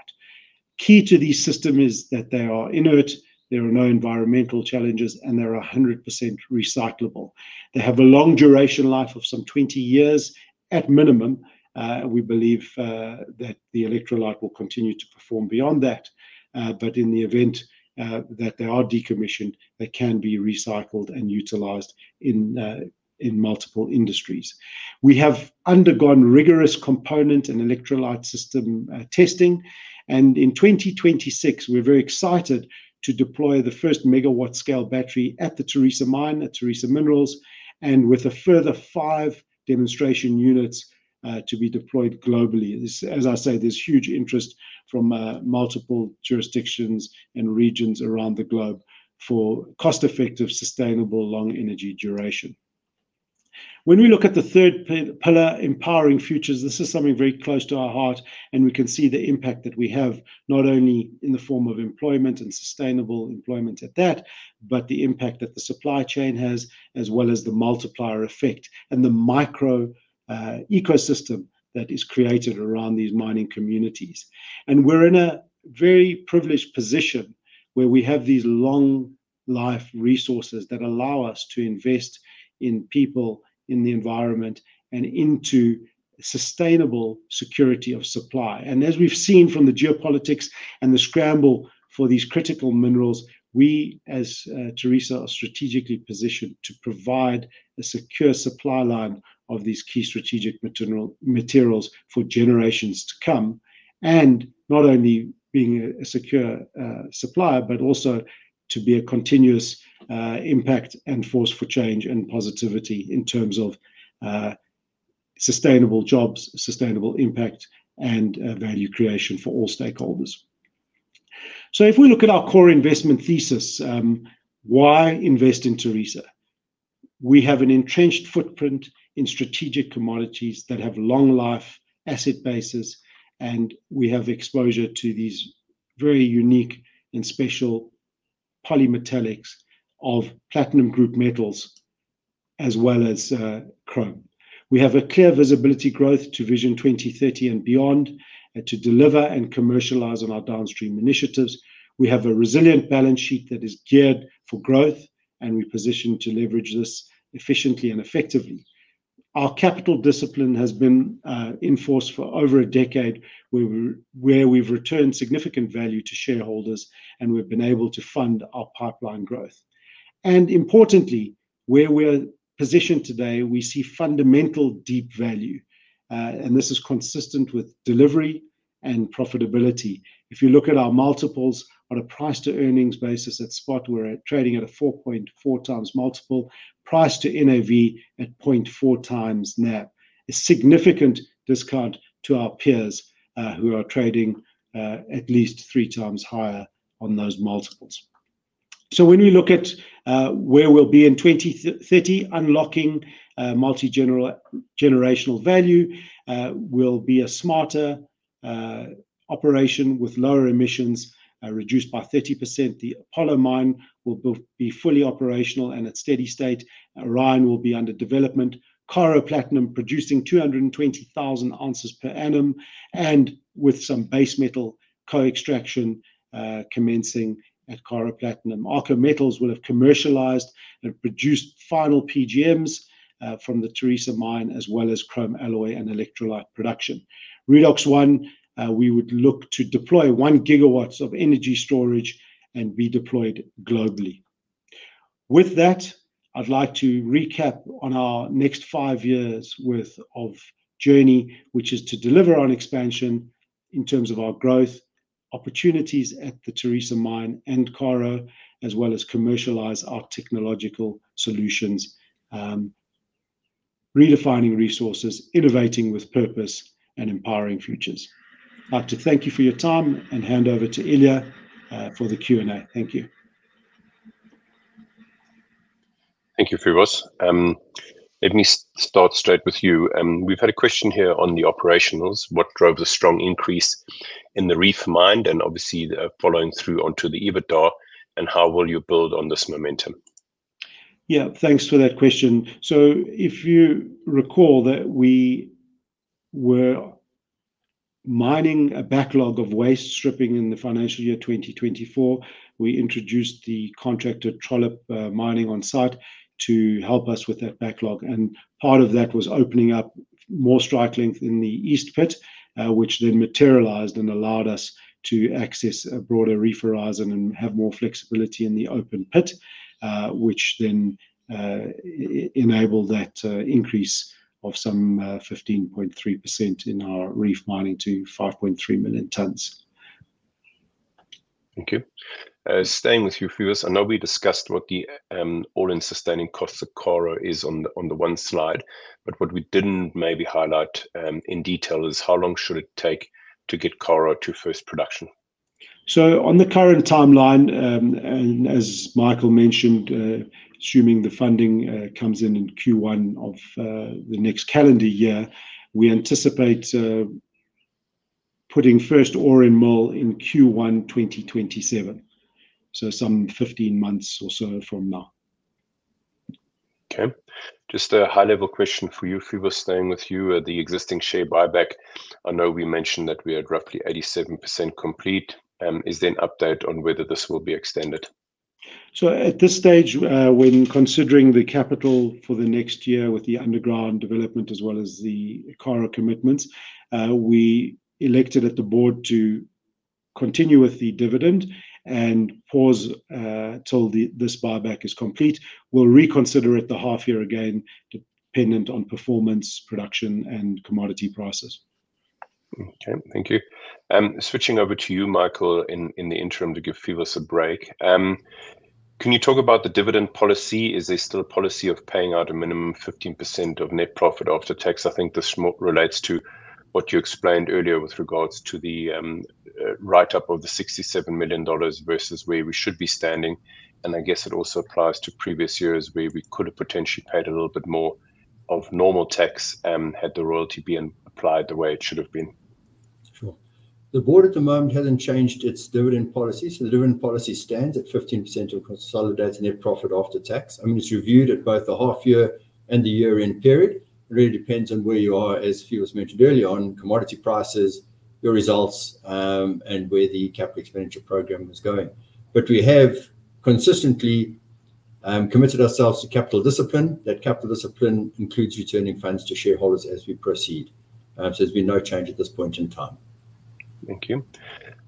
Key to these systems is that they are inert, there are no environmental challenges, and they are 100% recyclable. They have a long duration life of some 20 years at minimum. We believe that the electrolyte will continue to perform beyond that, but in the event that they are decommissioned, they can be recycled and utilized in multiple industries. We have undergone rigorous component and electrolyte system testing, and in 2026, we're very excited to deploy the first megawatt-scale battery at the Tharisa Mine, at Tharisa Minerals, and with a further five demonstration units to be deployed globally. As I say, there's huge interest from multiple jurisdictions and regions around the globe for cost-effective, sustainable, long energy duration. When we look at the third pillar, empowering futures, this is something very close to our heart, and we can see the impact that we have, not only in the form of employment and sustainable employment at that, but the impact that the supply chain has, as well as the multiplier effect and the micro ecosystem that is created around these mining communities. We're in a very privileged position where we have these long-life resources that allow us to invest in people, in the environment, and into sustainable security of supply. As we've seen from the geopolitics and the scramble for these critical minerals, we as Tharisa are strategically positioned to provide a secure supply line of these key strategic materials for generations to come, and not only being a secure supplier, but also to be a continuous impact and force for change and positivity in terms of sustainable jobs, sustainable impact, and value creation for all stakeholders. If we look at our core investment thesis, why invest in Tharisa? We have an entrenched footprint in strategic commodities that have long-life asset bases, and we have exposure to these very unique and special polymetallics of platinum group metals as well as chrome. We have a clear visibility growth to Vision 2030 and beyond to deliver and commercialize on our downstream initiatives. We have a resilient balance sheet that is geared for growth, and we're positioned to leverage this efficiently and effectively. Our capital discipline has been enforced for over a decade where we've returned significant value to shareholders, and we've been able to fund our pipeline growth. Importantly, where we're positioned today, we see fundamental deep value, and this is consistent with delivery and profitability. If you look at our multiples on a price-to-earnings basis at spot, we're trading at a 4.4x multiple, price-to-NAV at 0.4x NAV, a significant discount to our peers who are trading at least 3x higher on those multiples. When we look at where we'll be in 2030, unlocking multi-generational value, we'll be a smarter operation with lower emissions reduced by 30%. The Apollo mine will be fully operational and at steady-state. Orion will be under development, Karo Platinum producing 220,000 oz per annum and with some base metal co-extraction commencing at Karo Platinum. Arxo Metals will have commercialized and produced final PGMs from the Tharisa Mine as well as chrome alloy and electrolyte production. Redox One, we would look to deploy 1 GW of energy storage and be deployed globally. With that, I'd like to recap on our next 5 years' worth of journey, which is to deliver on expansion in terms of our growth opportunities at the Tharisa Mine and Karo, as well as commercialize our technological solutions, redefining resources, innovating with purpose, and empowering futures. I'd like to thank you for your time and hand over to Ilja for the Q&A. Thank you. Thank you, Phoevos. Let me start straight with you. We've had a question here on the operationals. What drove the strong increase in the reef mine and obviously following through onto the EBITDA? How will you build on this momentum? Yeah, thanks for that question. If you recall that we were mining a backlog of waste stripping in the financial year 2024, we introduced the contractor Trollope Mining on site to help us with that backlog. Part of that was opening up more strike length in the east pit, which then materialized and allowed us to access a broader reef horizon and have more flexibility in the open pit, which then enabled that increase of some 15.3% in our reef mining to 5.3 million tons. Thank you. Staying with you, Phoevos, I know we discussed what the all-in sustaining costs of Karo is on the one slide, but what we did not maybe highlight in detail is how long should it take to get Karo to first production? On the current timeline, and as Michael mentioned, assuming the funding comes in in Q1 of the next calendar year, we anticipate putting first ore in mill in Q1 2027, so some 15 months or so from now. Okay. Just a high-level question for you, Phoevos, staying with you. The existing shape buyback, I know we mentioned that we had roughly 87% complete. Is there an update on whether this will be extended? At this stage, when considering the capital for the next year with the underground development as well as the Karo commitments, we elected at the board to continue with the dividend and pause till this buyback is complete. We'll reconsider it at the half year again, dependent on performance, production, and commodity prices. Thank you. Switching over to you, Michael, in the interim to give Phoevos a break. Can you talk about the dividend policy? Is there still a policy of paying out a minimum 15% of net profit after tax? I think this relates to what you explained earlier with regards to the write-up of the $67 million versus where we should be standing. I guess it also applies to previous years where we could have potentially paid a little bit more of normal tax and had the royalty been applied the way it should have been. Sure. The board at the moment hasn't changed its dividend policy. So the dividend policy stands at 15% of consolidated net profit after tax. I mean, it's reviewed at both the half year and the year-end period. It really depends on where you are, as Phoevos mentioned earlier, on commodity prices, your results, and where the capital expenditure program is going. But we have consistently committed ourselves to capital discipline. That capital discipline includes returning funds to shareholders as we proceed. So there's been no change at this point in time. Thank you.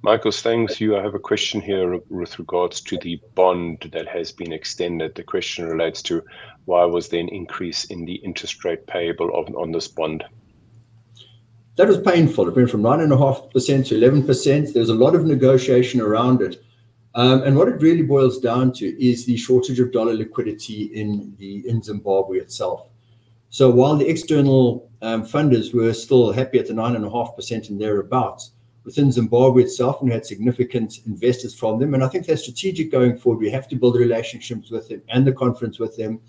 Michael, staying with you, I have a question here with regards to the bond that has been extended. The question relates to why was there an increase in the interest rate payable on this bond? That was painful. It went from 9.5% to 11%. There was a lot of negotiation around it. What it really boils down to is the shortage of dollar liquidity in Zimbabwe itself. While the external funders were still happy at the 9.5% and thereabouts, within Zimbabwe itself, we had significant investors from them. I think they're strategic going forward. We have to build relationships with them and the conference with them.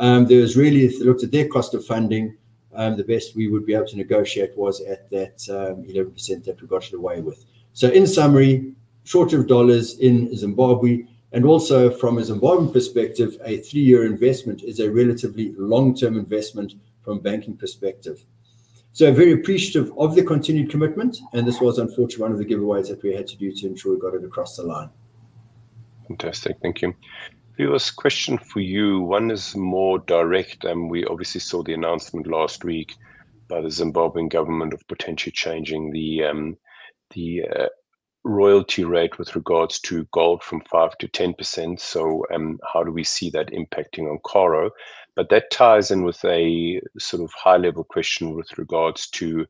If you looked at their cost of funding, the best we would be able to negotiate was at that 11% that we got away with. In summary, shortage of dollars in Zimbabwe, and also from a Zimbabwean perspective, a 3-year investment is a relatively long-term investment from a banking perspective. Very appreciative of the continued commitment, and this was, unfortunately, one of the giveaways that we had to do to ensure we got it across the line. Fantastic. Thank you. Phoevos, question for you. One is more direct. We obviously saw the announcement last week by the Zimbabwean government of potentially changing the royalty rate with regards to gold from 5% to 10%. How do we see that impacting on Karo? That ties in with a sort of high-level question with regards to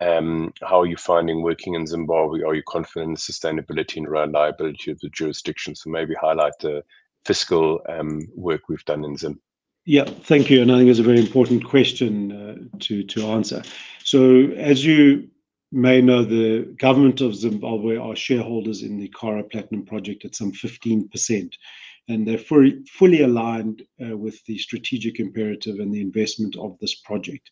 how are you finding working in Zimbabwe? Are you confident in the sustainability and reliability of the jurisdiction? Maybe highlight the fiscal work we've done in Zim. Yeah, thank you. I think it's a very important question to answer. As you may know, the government of Zimbabwe are shareholders in the Karo Platinum Project at some 15%, and they're fully aligned with the strategic imperative and the investment of this project.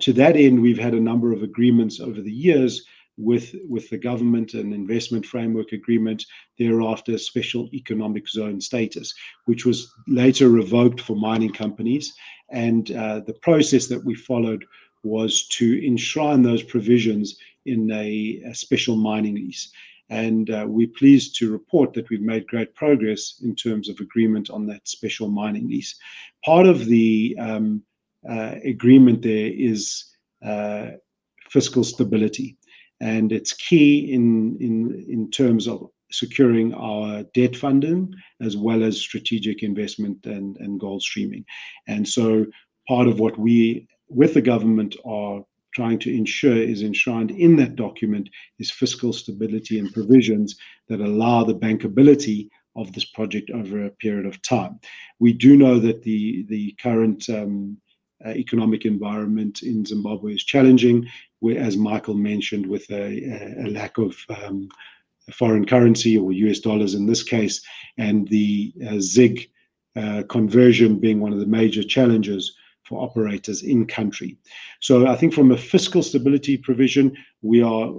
To that end, we've had a number of agreements over the years with the government and investment framework agreement, thereafter special economic zone status, which was later revoked for mining companies. The process that we followed was to enshrine those provisions in a special mining lease. We're pleased to report that we've made great progress in terms of agreement on that special mining lease. Part of the agreement there is fiscal stability, and it's key in terms of securing our debt funding as well as strategic investment and gold streaming. Part of what we, with the government, are trying to ensure is enshrined in that document is fiscal stability and provisions that allow the bankability of this project over a period of time. We do know that the current economic environment in Zimbabwe is challenging, as Michael mentioned, with a lack of foreign currency or USD in this case, and the ZWG conversion being one of the major challenges for operators in country. I think from a fiscal stability provision, we are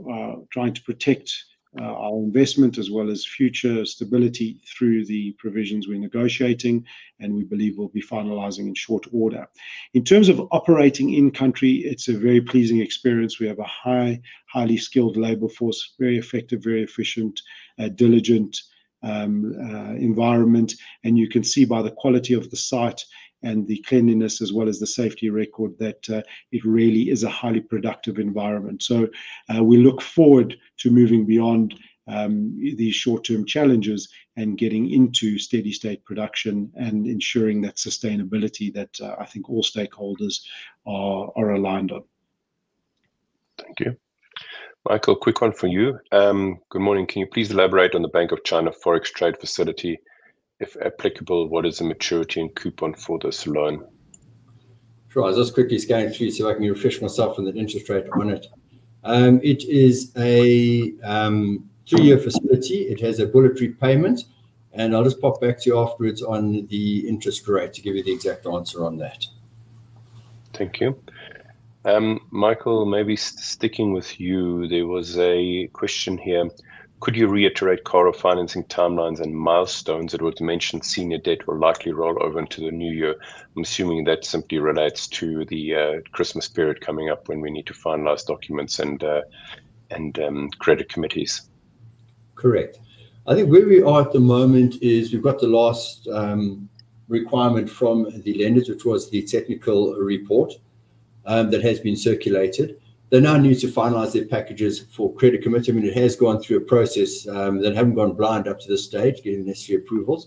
trying to protect our investment as well as future stability through the provisions we are negotiating, and we believe we will be finalizing in short order. In terms of operating in country, it is a very pleasing experience. We have a highly skilled labor force, very effective, very efficient, diligent environment. You can see by the quality of the site and the cleanliness as well as the safety record that it really is a highly productive environment. We look forward to moving beyond these short-term challenges and getting into steady-state production and ensuring that sustainability that I think all stakeholders are aligned on. Thank you. Michael, quick one for you. Good morning. Can you please elaborate on the Bank of China Forex Trade Facility? If applicable, what is the maturity and coupon for this loan? Sure. I'll just quickly scan through so I can refresh myself on the interest rate on it. It is a 3-year facility. It has a bulletary payment, and I'll just pop back to you afterwards on the interest rate to give you the exact answer on that. Thank you. Michael, maybe sticking with you, there was a question here. Could you reiterate Karo financing timelines and milestones that were to mention senior debt will likely roll over into the new year? I'm assuming that simply relates to the Christmas period coming up when we need to finalize documents and credit committees. Correct. I think where we are at the moment is we've got the last requirement from the lenders, which was the technical report that has been circulated. They're now needing to finalize their packages for credit committee. I mean, it has gone through a process. They haven't gone blind up to this stage, getting the necessary approvals.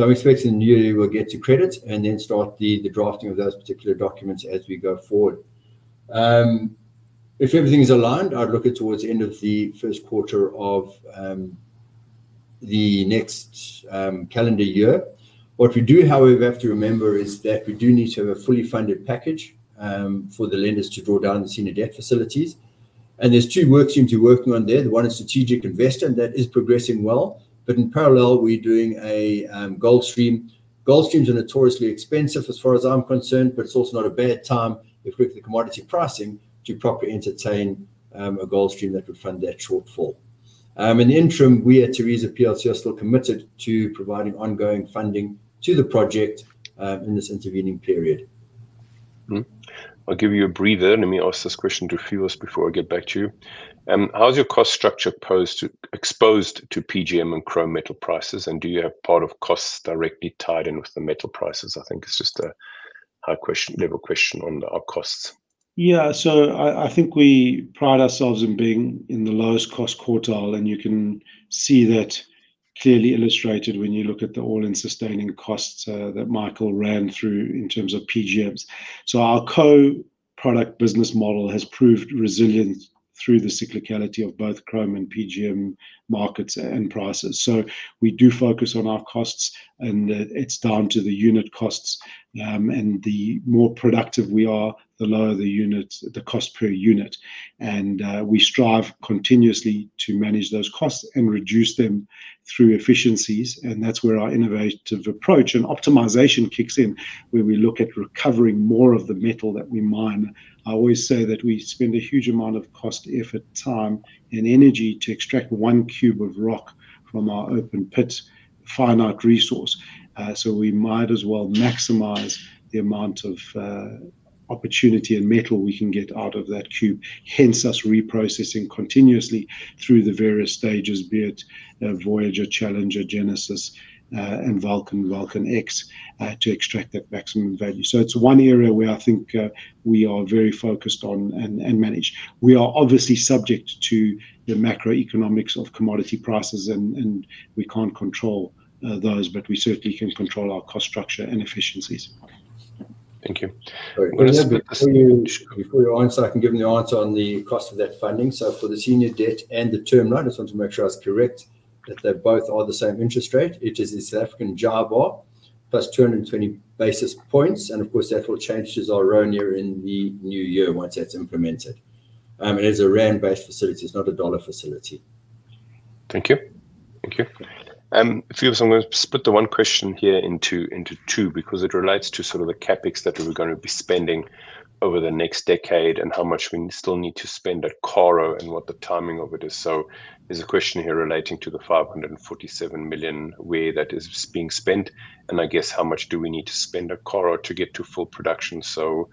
I’m expecting the new year we'll get to credit and then start the drafting of those particular documents as we go forward. If everything's aligned, I'd look at towards the end of the first quarter of the next calendar year. What we do, however, have to remember is that we do need to have a fully funded package for the lenders to draw down the senior debt facilities. There are two work streams we're working on there. The one is strategic investor, and that is progressing well. In parallel, we're doing a gold stream. Gold streams are notoriously expensive as far as I'm concerned, but it's also not a bad time if we look at the commodity pricing to properly entertain a gold stream that would fund that shortfall. In the interim, we at Tharisa are still committed to providing ongoing funding to the project in this intervening period. I'll give you a breather. Let me ask this question to Phoevos before I get back to you. How's your cost structure exposed to PGM and chrome metal prices? Do you have part of costs directly tied in with the metal prices? I think it's just a high-level question on our costs. Yeah. I think we pride ourselves in being in the lowest cost quartile, and you can see that clearly illustrated when you look at the all-in sustaining costs that Michael ran through in terms of PGMs. Our co-product business model has proved resilient through the cyclicality of both chrome and PGM markets and prices. We do focus on our costs, and it is down to the unit costs. The more productive we are, the lower the cost per unit. We strive continuously to manage those costs and reduce them through efficiencies. That is where our innovative approach and optimization kicks in, where we look at recovering more of the metal that we mine. I always say that we spend a huge amount of cost, effort, time, and energy to extract one cube of rock from our open pit, a finite resource. We might as well maximize the amount of opportunity and metal we can get out of that cube, hence us reprocessing continuously through the various stages, be it Voyager, Challenger, Genesis, and Vulcan, Vulcan X, to extract that maximum value. It is one area where I think we are very focused on and manage. We are obviously subject to the macroeconomics of commodity prices, and we cannot control those, but we certainly can control our cost structure and efficiencies. Thank you. Before you answer, I can give you the answer on the cost of that funding. For the senior debt and the term note, I just want to make sure I was correct that they both are the same interest rate. It is the South African JIBAR +220 basis points. Of course, that will change to ZARONIA in the new year once that is implemented. It is a ZAR-based facility. It's not a dollar facility. Thank you. Thank you. Phoevos, I'm going to split the one question here into two because it relates to sort of the CapEx that we're going to be spending over the next decade and how much we still need to spend at Karo and what the timing of it is. There is a question here relating to the $547 million where that is being spent. I guess how much do we need to spend at Karo to get to full production? I'll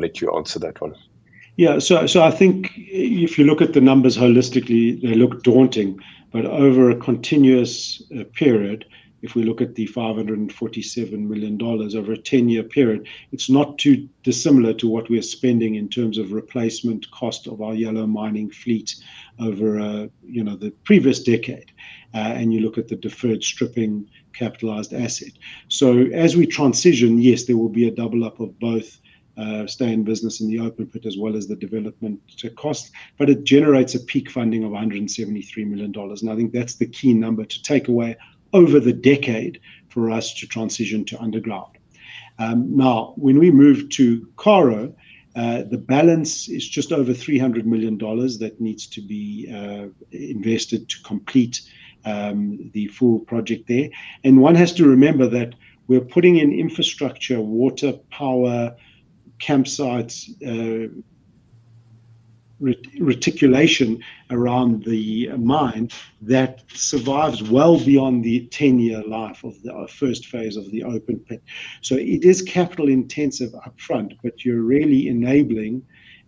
let you answer that one. Yeah. I think if you look at the numbers holistically, they look daunting. Over a continuous period, if we look at the $547 million over a 10-year period, it's not too dissimilar to what we're spending in terms of replacement cost of our yellow mining fleet over the previous decade. You look at the deferred stripping capitalized asset. As we transition, yes, there will be a double-up of both staying in business in the open pit as well as the development costs. It generates a peak funding of $173 million. I think that's the key number to take away over the decade for us to transition to underground. Now, when we move to Karo, the balance is just over $300 million that needs to be invested to complete the full project there. One has to remember that we're putting in infrastructure, water, power, campsites, reticulation around the mine that survives well beyond the 10-year life of the first phase of the open pit. It is capital-intensive upfront, but you're really enabling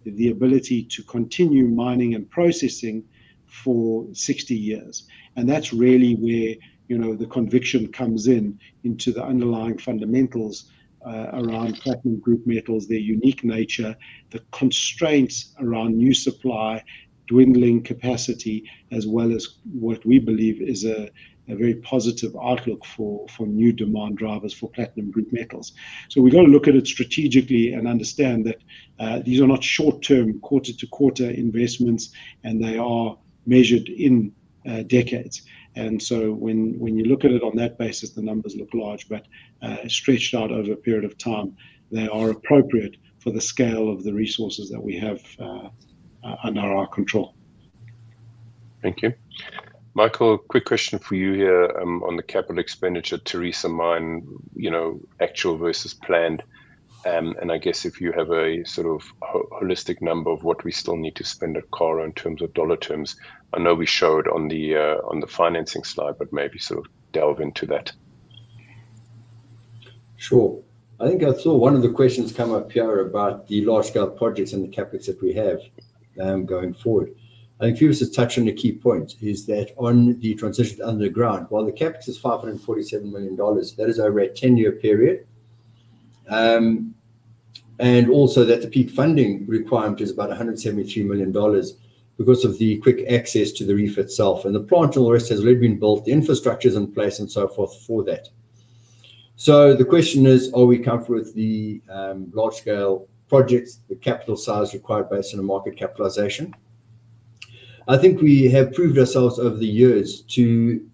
the ability to continue mining and processing for 60 years. That's really where the conviction comes in into the underlying fundamentals around platinum group metals, their unique nature, the constraints around new supply, dwindling capacity, as well as what we believe is a very positive outlook for new demand drivers for platinum group metals. We've got to look at it strategically and understand that these are not short-term, quarter-to-quarter investments, and they are measured in decades. When you look at it on that basis, the numbers look large, but stretched out over a period of time, they are appropriate for the scale of the resources that we have under our control. Thank you. Michael, quick question for you here on the capital expenditure, Tharisa Mine, actual versus planned. And I guess if you have a sort of holistic number of what we still need to spend at Karo in terms of dollar terms, I know we showed on the financing slide, but maybe sort of delve into that. Sure. I think I saw one of the questions come up here about the large-scale projects and the CapEx that we have going forward. I think Phoevos has touched on a key point, is that on the transition to underground, while the CapEx is $547 million, that is over a 10-year period. The peak funding requirement is about $173 million because of the quick access to the reef itself. The plant and all the rest has already been built, the infrastructure is in place and so forth for that. The question is, are we comfortable with the large-scale projects, the capital size required based on a market capitalization? I think we have proved ourselves over the years to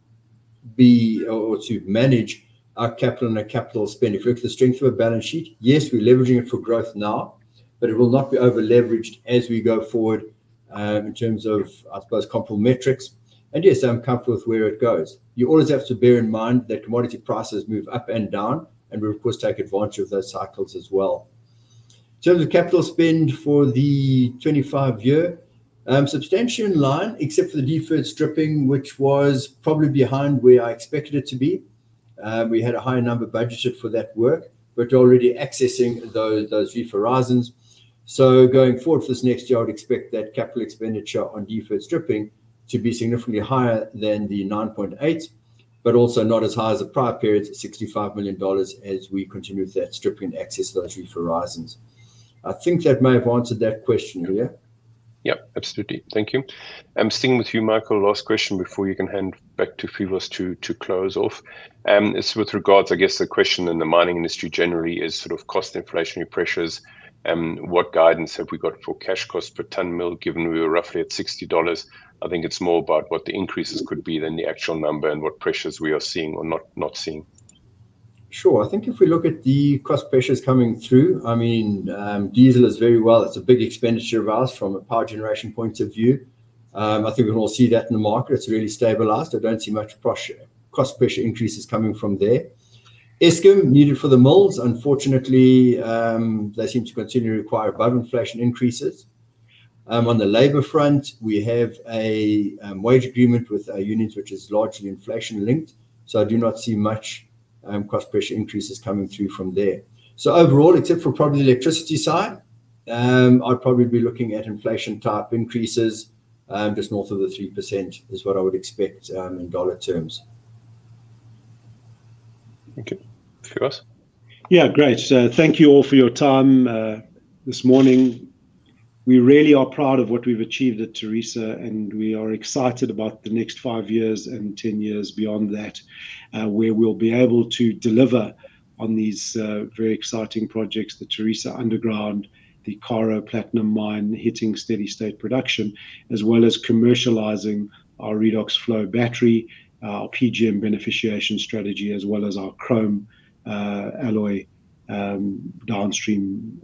be or to manage our capital and our capital spend. If you look at the strength of our balance sheet, yes, we're leveraging it for growth now, but it will not be over-leveraged as we go forward in terms of, I suppose, comparable metrics. Yes, I'm comfortable with where it goes. You always have to bear in mind that commodity prices move up and down, and we'll, of course, take advantage of those cycles as well. In terms of capital spend for the 25-year, substantially in line, except for the deferred stripping, which was probably behind where I expected it to be. We had a higher number budgeted for that work, but we're already accessing those reef horizons. Going forward for this next year, I would expect that capital expenditure on deferred stripping to be significantly higher than the $9.8 million, but also not as high as the prior periods, $65 million as we continue with that stripping and access those reef horizons. I think that may have answered that question here. Yep. Absolutely. Thank you. I'm sticking with you, Michael. Last question before you can hand back to Phoevos to close off. It's with regards, I guess, the question in the mining industry generally is sort of cost inflationary pressures. What guidance have we got for cash cost per ton mil given we were roughly at $60? I think it's more about what the increases could be than the actual number and what pressures we are seeing or not seeing. Sure. I think if we look at the cost pressures coming through, I mean, diesel is very well. It's a big expenditure of ours from a power generation point of view. I think we can all see that in the market. It's really stabilized. I don't see much cost pressure increases coming from there. Eskom needed for the mills. Unfortunately, they seem to continue to require above-inflation increases. On the labor front, we have a wage agreement with our unions, which is largely inflation-linked. I do not see much cost pressure increases coming through from there. Overall, except for probably the electricity side, I'd probably be looking at inflation-type increases. Just north of 3% is what I would expect in dollar terms. Thank you. Phoevos? Yeah. Great. Thank you all for your time this morning. We really are proud of what we've achieved at Tharisa, and we are excited about the next five years and 10 years beyond that, where we'll be able to deliver on these very exciting projects: the Tharisa underground, the Karo Platinum Mine hitting steady-state production, as well as commercializing our Redox Flow battery, our PGM beneficiation strategy, as well as our chrome alloy downstream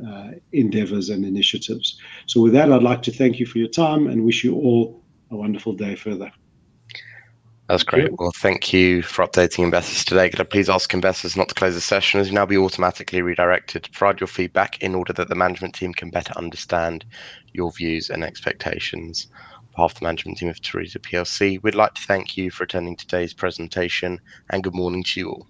endeavors and initiatives. With that, I'd like to thank you for your time and wish you all a wonderful day further. That's great. Thank you for updating investors today. Could I please ask investors not to close the session? As you now be automatically redirected, provide your feedback in order that the management team can better understand your views and expectations of the management team of Tharisa. We'd like to thank you for attending today's presentation, and good morning to you all.